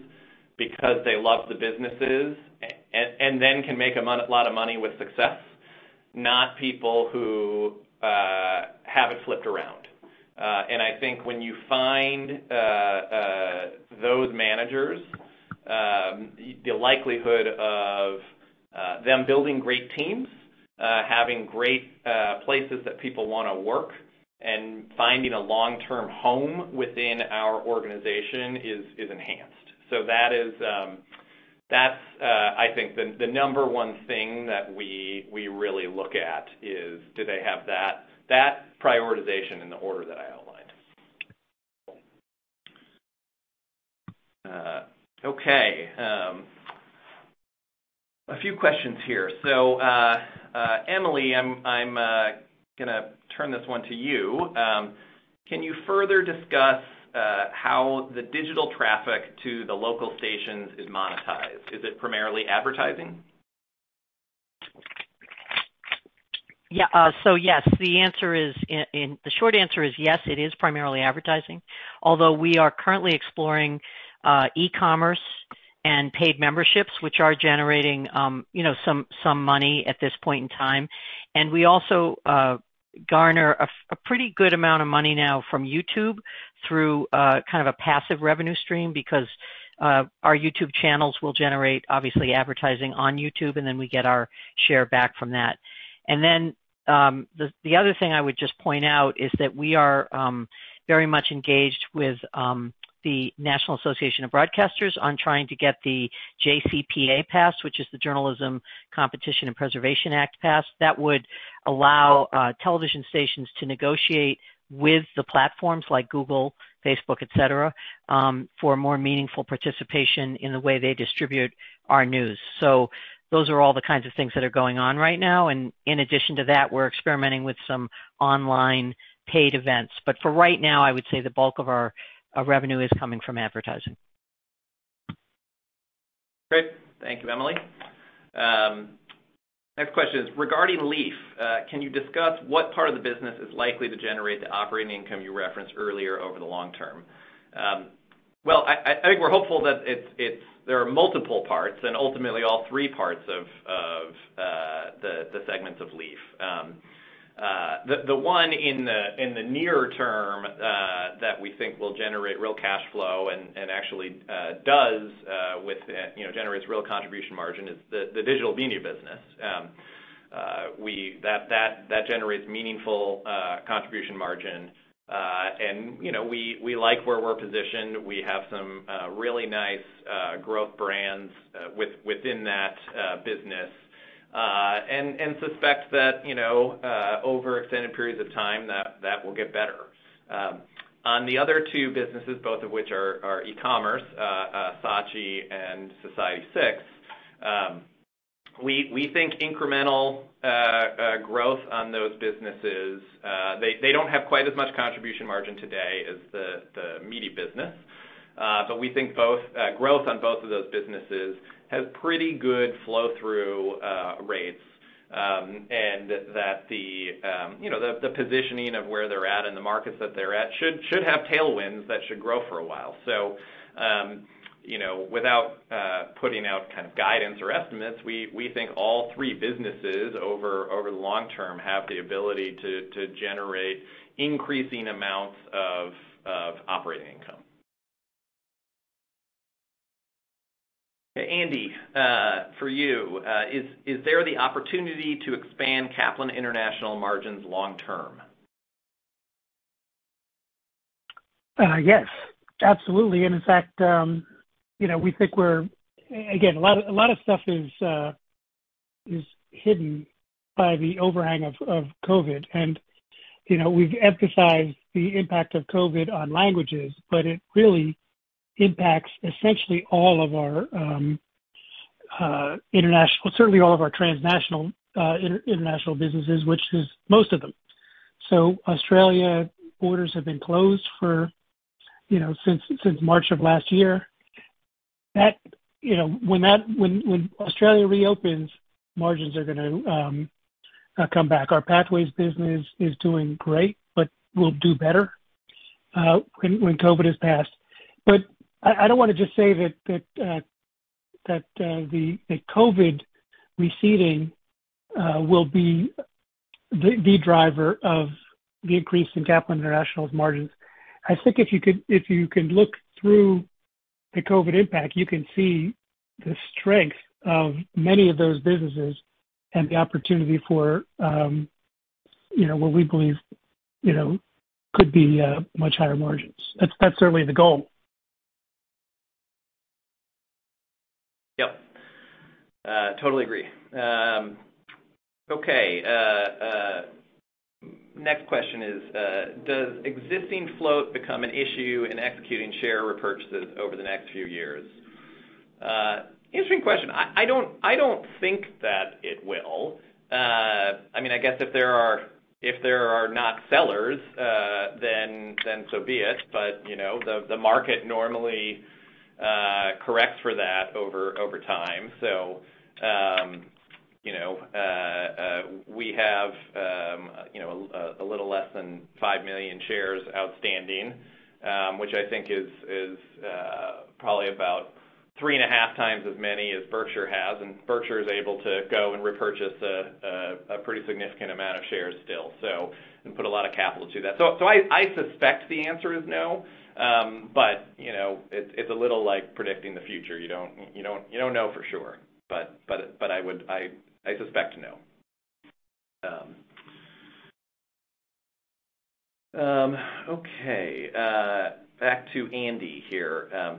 because they love the businesses and then can make a lot of money with success. Not people who have it flipped around. I think when you find those managers, the likelihood of them building great teams, having great places that people wanna work, and finding a long-term home within our organization is enhanced. That is, that's I think the number one thing that we really look at is do they have that prioritization in the order that I outlined. Okay. A few questions here. Emily, I'm gonna turn this one to you. Can you further discuss how the digital traffic to the local stations is monetized? Is it primarily advertising? Yeah. So yes. The short answer is yes, it is primarily advertising. Although we are currently exploring e-commerce and paid memberships, which are generating you know some money at this point in time. We also garner a pretty good amount of money now from YouTube through kind of a passive revenue stream because our YouTube channels will generate obviously advertising on YouTube, and then we get our share back from that. The other thing I would just point out is that we are very much engaged with the National Association of Broadcasters on trying to get the JCPA passed, which is the Journalism Competition and Preservation Act passed. That would allow television stations to negotiate with the platforms like Google, Facebook, et cetera, for more meaningful participation in the way they distribute our news. Those are all the kinds of things that are going on right now. In addition to that, we're experimenting with some online paid events. For right now, I would say the bulk of our revenue is coming from advertising. Great. Thank you, Emily. Next question is regarding Leaf. Can you discuss what part of the business is likely to generate the operating income you referenced earlier over the long term? Well, I think we're hopeful that there are multiple parts and ultimately all three parts of the segments of Leaf. The one in the near term that we think will generate real cash flow and actually does, you know, generates real contribution margin is the digital media business. That generates meaningful contribution margin. You know, we like where we're positioned. We have some really nice growth brands within that business and suspect that, you know, over extended periods of time, that will get better. On the other two businesses, both of which are e-commerce, Saatchi and Society6, we think incremental growth on those businesses. They don't have quite as much contribution margin today as the media business, but we think growth on both of those businesses has pretty good flow-through rates, and that you know, the positioning of where they're at and the markets that they're at should have tailwinds that should grow for a while. You know, without putting out kind of guidance or estimates, we think all three businesses over the long term have the ability to generate increasing amounts of operating income. Andy, for you, is there the opportunity to expand Kaplan International margins long term? Yes, absolutely. In fact, you know, we think a lot of stuff is hidden by the overhang of COVID. You know, we've emphasized the impact of COVID on languages, but it really impacts essentially all of our international businesses, certainly all of our transnational, international businesses, which is most of them. Australia borders have been closed, you know, since March of last year. When Australia reopens, margins are gonna come back. Our Pathways business is doing great, but will do better when COVID has passed. I don't want to just say that the COVID receding will be the driver of the increase in Kaplan International's margins. I think if you can look through the COVID impact, you can see the strength of many of those businesses and the opportunity for, you know, what we believe, you know, could be much higher margins. That's certainly the goal. Yep. Totally agree. Okay. Next question is, does existing float become an issue in executing share repurchases over the next few years? Interesting question. I don't think that it will. I mean, I guess if there are not sellers, then so be it. You know, the market normally corrects for that over time. You know, we have a little less than five million shares outstanding, which I think is probably about 3.5x as many as Berkshire has, and Berkshire is able to go and repurchase a pretty significant amount of shares still, and put a lot of capital to that. I suspect the answer is no. You know, it's a little like predicting the future. You don't know for sure. I suspect no. Okay, back to Andy here.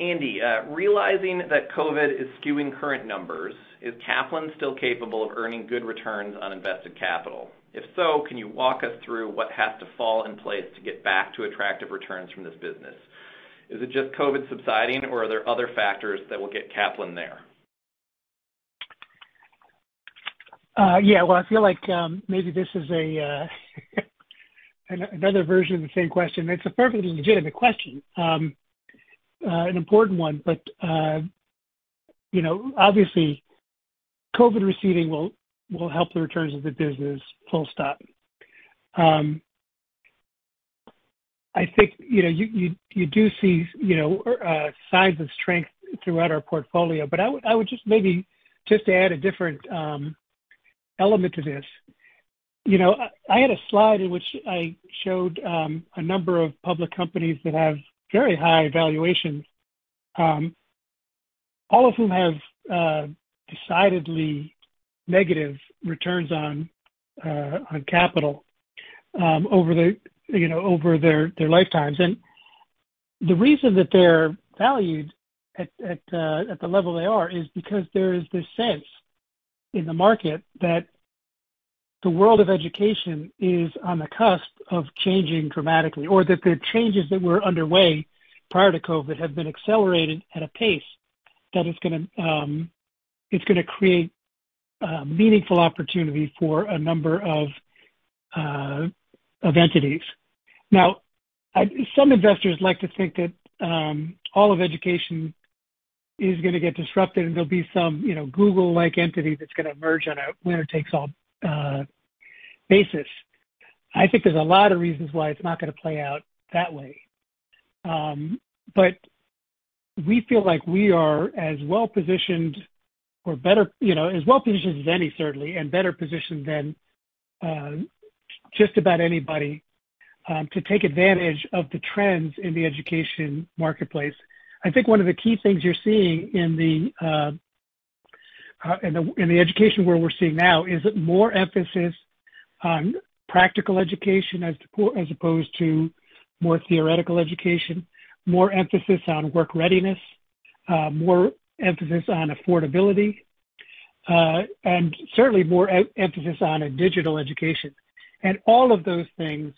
Andy, realizing that COVID is skewing current numbers, is Kaplan still capable of earning good returns on invested capital? If so, can you walk us through what has to fall in place to get back to attractive returns from this business? Is it just COVID subsiding or are there other factors that will get Kaplan there? Yeah. Well, I feel like maybe this is another version of the same question. It's a perfectly legitimate question, an important one, but you know, obviously COVID receding will help the returns of the business, full stop. I think, you know, you do see, you know, signs of strength throughout our portfolio. But I would just maybe just add a different element to this. You know, I had a slide in which I showed a number of public companies that have very high valuations, all of whom have decidedly negative returns on capital over their lifetimes. The reason that they're valued at the level they are is because there is this sense in the market that the world of education is on the cusp of changing dramatically or that the changes that were underway prior to COVID have been accelerated at a pace that is gonna create meaningful opportunity for a number of entities. Now, some investors like to think that all of education is gonna get disrupted and there'll be some, you know, Google-like entity that's gonna emerge on a winner takes all basis. I think there's a lot of reasons why it's not gonna play out that way. We feel like we are as well positioned or better. You know, as well positioned as any, certainly, and better positioned than just about anybody to take advantage of the trends in the education marketplace. I think one of the key things you're seeing in the education world we're seeing now is more emphasis on practical education as opposed to more theoretical education, more emphasis on work readiness, more emphasis on affordability, and certainly more emphasis on a digital education. All of those things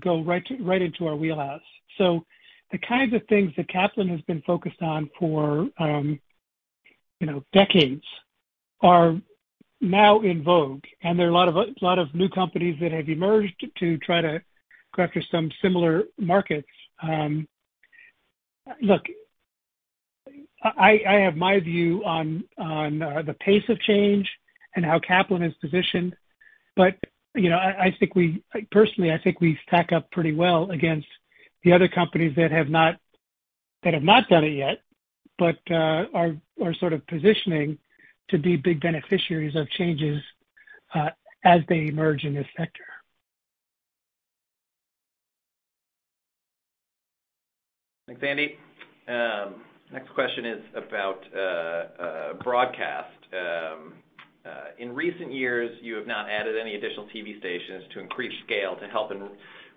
go right into our wheelhouse. The kinds of things that Kaplan has been focused on for decades are now in vogue, and there are a lot of new companies that have emerged to try to capture some similar markets. Look, I have my view on the pace of change and how Kaplan is positioned. You know, personally, I think we stack up pretty well against the other companies that have not done it yet, but are sort of positioning to be big beneficiaries of changes as they emerge in this sector. Thanks, Andy. Next question is about broadcast. In recent years, you have not added any additional TV stations to increase scale to help in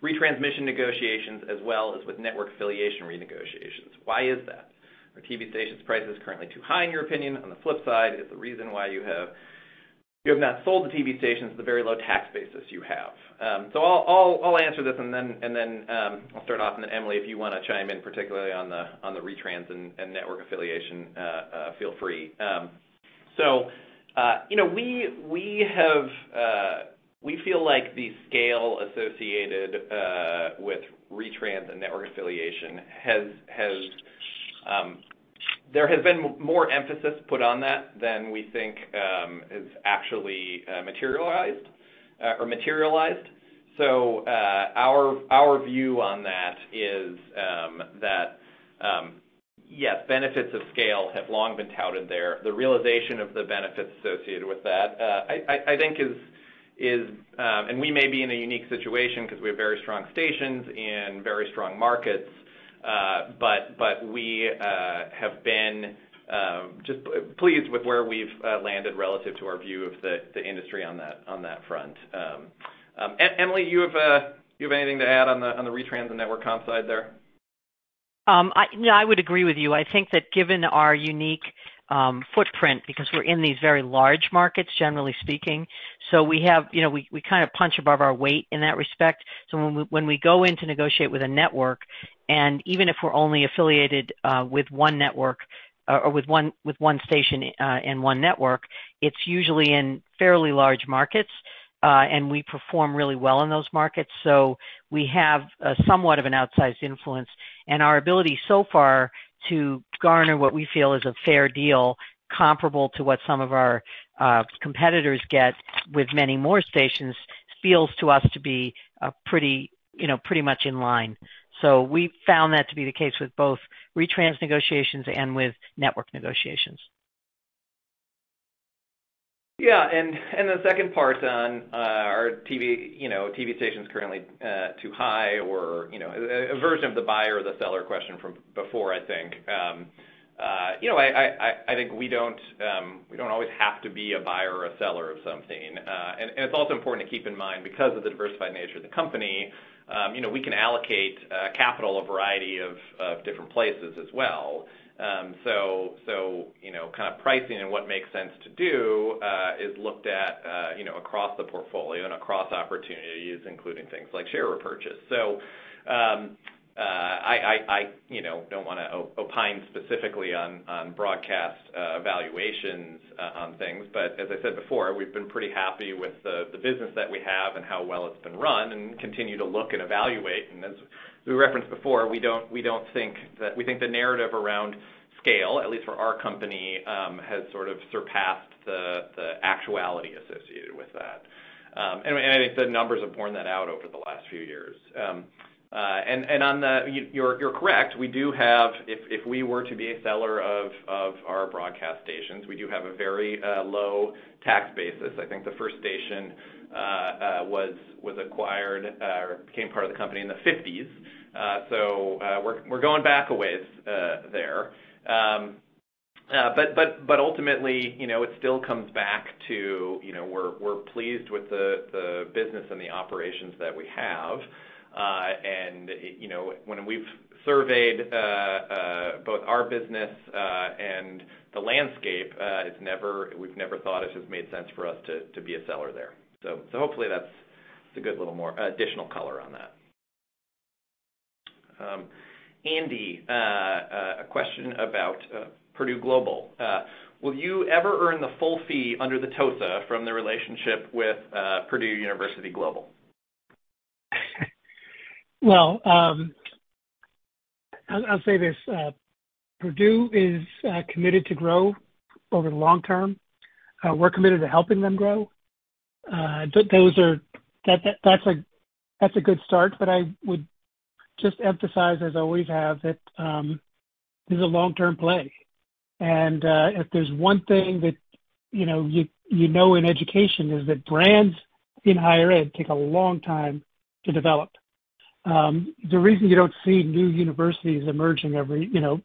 retransmission negotiations as well as with network affiliation renegotiations. Why is that? Are TV stations prices currently too high in your opinion? On the flip side, is the reason why you have not sold the TV stations the very low tax basis you have. So I'll answer this and then I'll start off, and then Emily, if you wanna chime in, particularly on the retrans and network affiliation, feel free. So you know, we have... We feel like the scale associated with retrans and network affiliation, there has been more emphasis put on that than we think is actually materialized. Our view on that is that yes, benefits of scale have long been touted there. The realization of the benefits associated with that, I think, is. We may be in a unique situation because we have very strong stations and very strong markets, but we have been just pleased with where we've landed relative to our view of the industry on that front. Emily, do you have anything to add on the retrans and network comp side there? No, I would agree with you. I think that given our unique footprint because we're in these very large markets, generally speaking, we have you know, we kind of punch above our weight in that respect. When we go in to negotiate with a network, and even if we're only affiliated with one network or with one station and one network, it's usually in fairly large markets and we perform really well in those markets. We have somewhat of an outsized influence. Our ability so far to garner what we feel is a fair deal comparable to what some of our competitors get with many more stations feels to us to be pretty, you know, pretty much in line. We found that to be the case with both retrans negotiations and with network negotiations. The second part on are TV you know TV stations currently too high or you know a version of the buyer or the seller question from before I think. You know I think we don't always have to be a buyer or seller of something. It's also important to keep in mind because of the diversified nature of the company you know we can allocate capital a variety of different places as well. You know kind of pricing and what makes sense to do is looked at you know across the portfolio and across opportunities including things like share repurchase. You know I don't wanna opine specifically on broadcast valuations on things. As I said before, we've been pretty happy with the business that we have and how well it's been run and continue to look and evaluate. As we referenced before, we think the narrative around scale, at least for our company, has sort of surpassed the actuality associated with that. I think the numbers have borne that out over the last few years. You're correct. If we were to be a seller of our broadcast stations, we do have a very low tax basis. I think the first station was acquired or became part of the company in the fifties. We're going back a ways there. Ultimately, you know, it still comes back to, you know, we're pleased with the business and the operations that we have. You know, when we've surveyed both our business and the landscape, we've never thought it just made sense for us to be a seller there. Hopefully that's a good little more additional color on that. Andy, a question about Purdue Global. Will you ever earn the full fee under the TOSA from the relationship with Purdue University Global? I'll say this, Purdue is committed to grow over the long term. We're committed to helping them grow. That's a good start, but I would just emphasize, as I always have, that this is a long-term play. If there's one thing that you know in education is that brands in higher ed take a long time to develop. The reason you don't see new universities emerging every you know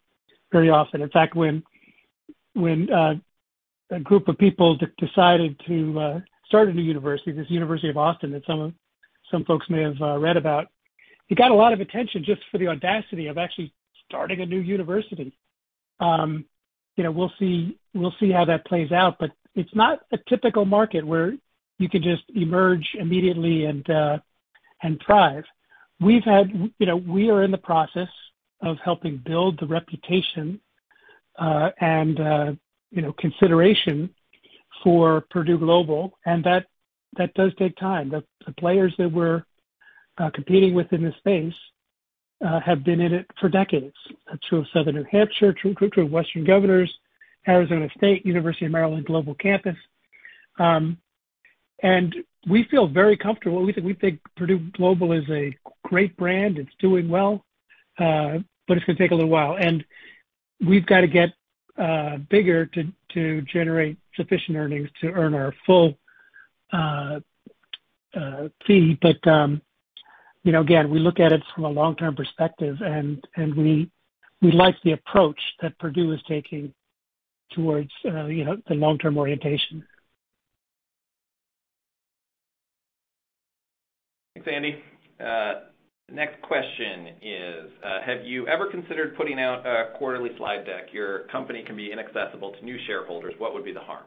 very often. In fact, when a group of people decided to start a new university, this University of Austin that some folks may have read about, it got a lot of attention just for the audacity of actually starting a new university. We'll see how that plays out. It's not a typical market where you can just emerge immediately and thrive. We've had, you know, we are in the process of helping build the reputation, and you know, consideration for Purdue Global, and that does take time. The players that we're competing with in this space have been in it for decades. That's true of Southern New Hampshire, true of Western Governors, Arizona State, University of Maryland Global Campus. And we feel very comfortable. We think Purdue Global is a great brand. It's doing well, but it's gonna take a little while. We've got to get bigger to generate sufficient earnings to earn our full fee. You know, again, we look at it from a long-term perspective, and we like the approach that Purdue is taking towards, you know, the long-term orientation. Thanks, Andy. Next question is, have you ever considered putting out a quarterly slide deck? Your company can be inaccessible to new shareholders. What would be the harm?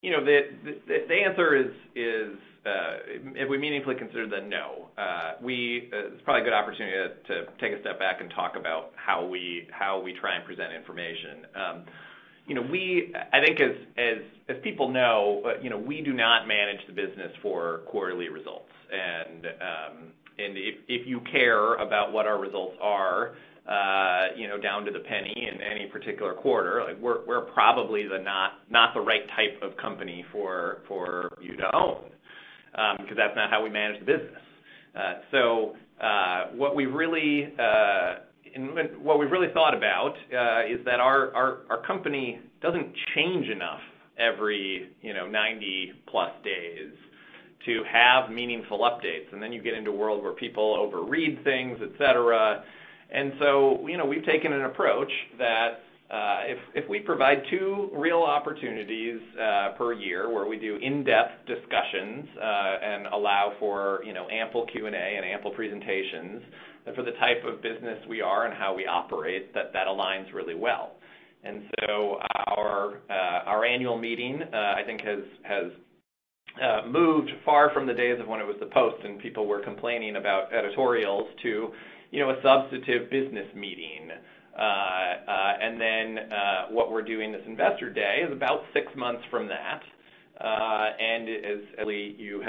You know, the answer is, if we meaningfully consider that, no. It's probably a good opportunity to take a step back and talk about how we try and present information. You know, I think as people know, you know, we do not manage the business for quarterly results. If you care about what our results are, you know, down to the penny in any particular quarter, we're probably not the right type of company for you to own, 'cause that's not how we manage the business. What we've really thought about is that our company doesn't change enough every, you know, 90 days to have meaningful updates. Then you get into a world where people overread things, et cetera. You know, we've taken an approach that if we provide two real opportunities per year where we do in-depth discussions and allow for, you know, ample Q&A and ample presentations, for the type of business we are and how we operate, that aligns really well. Our annual meeting, I think, has moved far from the days of when it was the Post and people were complaining about editorials to, you know, a substantive business meeting. What we're doing this Investor Day is about six months from that.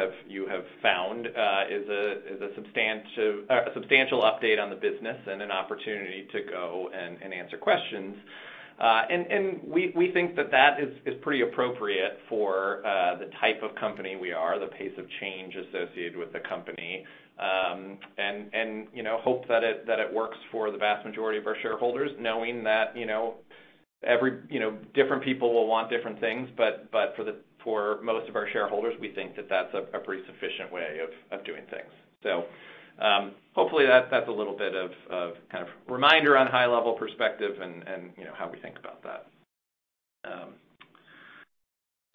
As you have found, it is a substantial update on the business and an opportunity to answer questions. We think that that is pretty appropriate for the type of company we are, the pace of change associated with the company. You know, we hope that it works for the vast majority of our shareholders, knowing that, you know, different people will want different things, but for most of our shareholders, we think that that's a pretty sufficient way of doing things. Hopefully that is a little bit of kind of reminder on high-level perspective and you know how we think about that.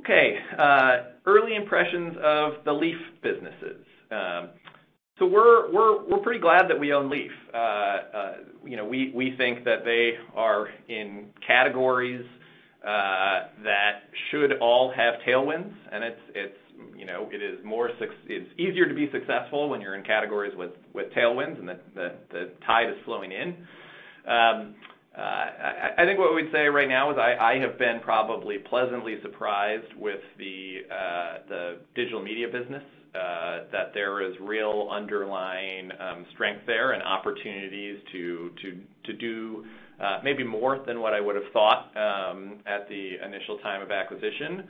Okay. Early impressions of the Leaf businesses. We are pretty glad that we own Leaf. You know we think that they are in categories that should all have tailwinds, and you know it is easier to be successful when you are in categories with tailwinds and the tide is flowing in. I think what we would say right now is I have been probably pleasantly surprised with the digital media business that there is real underlying strength there and opportunities to do maybe more than what I would have thought at the initial time of acquisition.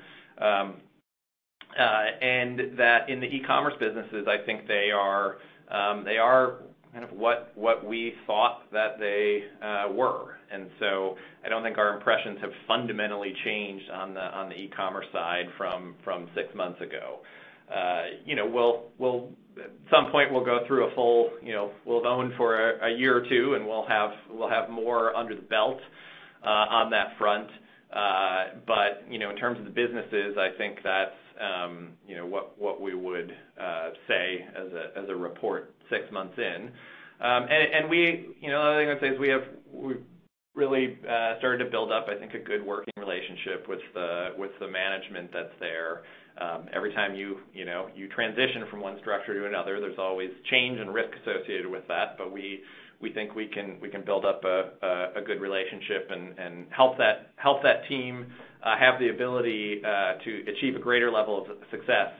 That in the e-commerce businesses, I think they are kind of what we thought that they were. I don't think our impressions have fundamentally changed on the e-commerce side from six months ago. You know, at some point we'll go through a full, you know, we'll have owned for a year or two, and we'll have more under the belt on that front. You know, in terms of the businesses, I think that's you know, what we would say as a report six months in. You know, another thing I'd say is we have really started to build up, I think, a good working relationship with the management that's there. Every time you know, you transition from one structure to another, there's always change and risk associated with that. We think we can build up a good relationship and help that team have the ability to achieve a greater level of success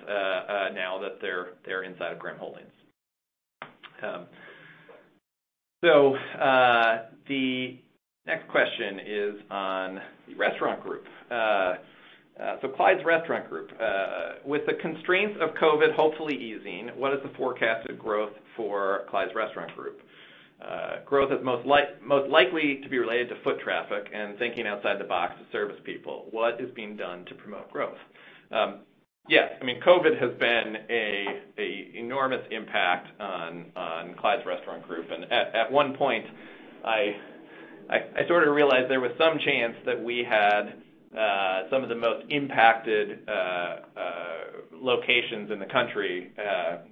now that they're inside of Graham Holdings. The next question is on the restaurant group. So Clyde's Restaurant Group. With the constraints of COVID hopefully easing, what is the forecasted growth for Clyde's Restaurant Group? Growth is most likely to be related to foot traffic and thinking outside the box to service people. What is being done to promote growth? Yes, I mean, COVID has been an enormous impact on Clyde's Restaurant Group. At one point, I sort of realized there was some chance that we had some of the most impacted locations in the country. For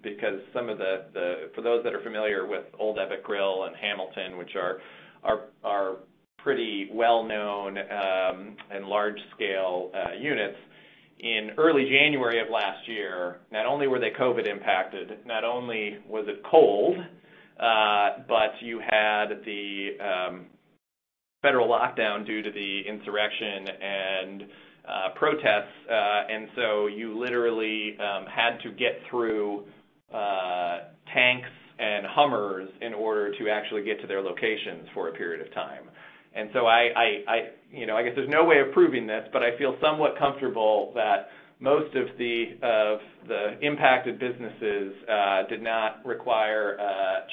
those that are familiar with Old Ebbitt Grill and The Hamilton, which are pretty well-known and large scale units. In early January of last year, not only were they COVID impacted, not only was it cold, but you had the federal lockdown due to the insurrection and protests. You literally had to get through tanks and Hummers in order to actually get to their locations for a period of time. You know, I guess there's no way of proving this, but I feel somewhat comfortable that most of the impacted businesses did not require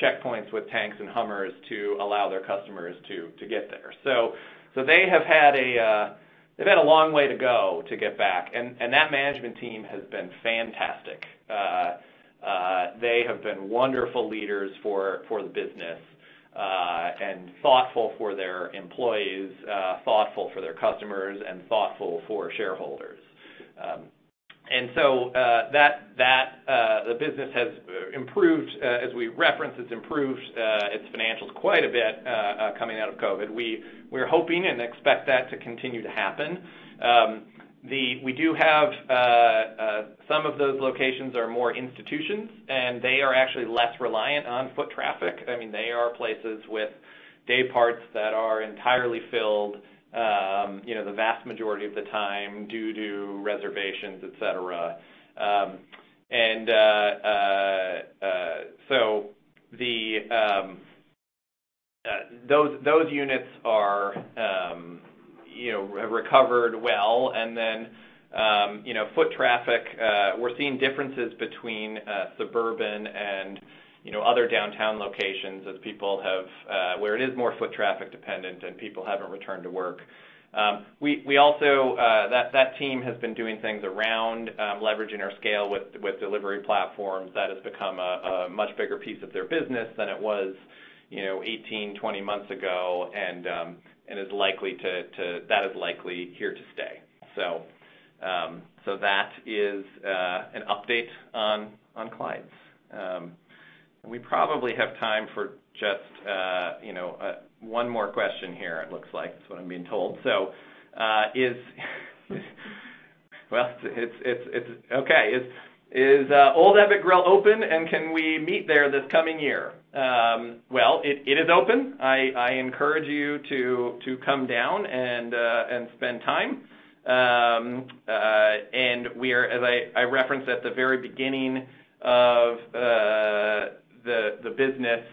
checkpoints with tanks and Hummers to allow their customers to get there. So they have had a long way to go to get back. That management team has been fantastic. They have been wonderful leaders for the business and thoughtful for their employees, thoughtful for their customers and thoughtful for shareholders. The business has improved. As we referenced, it's improved its financials quite a bit coming out of COVID. We're hoping and expect that to continue to happen. We do have some of those locations that are more institutional, and they are actually less reliant on foot traffic. I mean, they are places with day parts that are entirely filled, you know, the vast majority of the time due to reservations, et cetera. Those units are, you know, recovered well. Foot traffic, we're seeing differences between suburban and, you know, other downtown locations as people have where it is more foot traffic dependent and people haven't returned to work. We also, that team has been doing things around leveraging our scale with delivery platforms. That has become a much bigger piece of their business than it was, you know, 18, 20 months ago. that is likely here to stay. That is an update on clients. We probably have time for just, you know, one more question here, it looks like. That's what I'm being told. Is Old Ebbitt Grill open, and can we meet there this coming year? Well, it is open. I encourage you to come down and spend time. We are, as I referenced at the very beginning of the business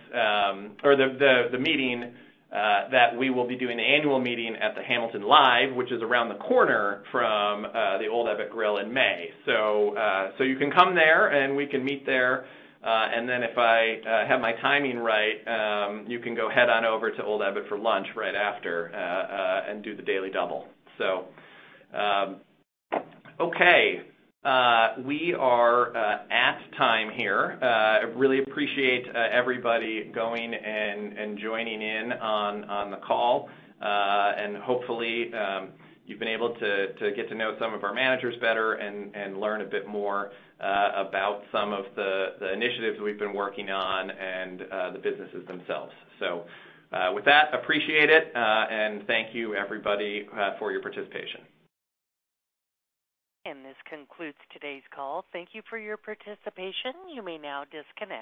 or the meeting, that we will be doing the annual meeting at the Hamilton Live, which is around the corner from the Old Ebbitt Grill in May. You can come there and we can meet there. If I have my timing right, you can go head on over to Old Ebbitt for lunch right after, and do the Daily Double. Okay. We are at time here. I really appreciate everybody going and joining in on the call. Hopefully, you've been able to get to know some of our managers better and learn a bit more about some of the initiatives we've been working on and the businesses themselves. With that, I appreciate it. Thank you everybody for your participation. This concludes today's call. Thank you for your participation. You may now disconnect.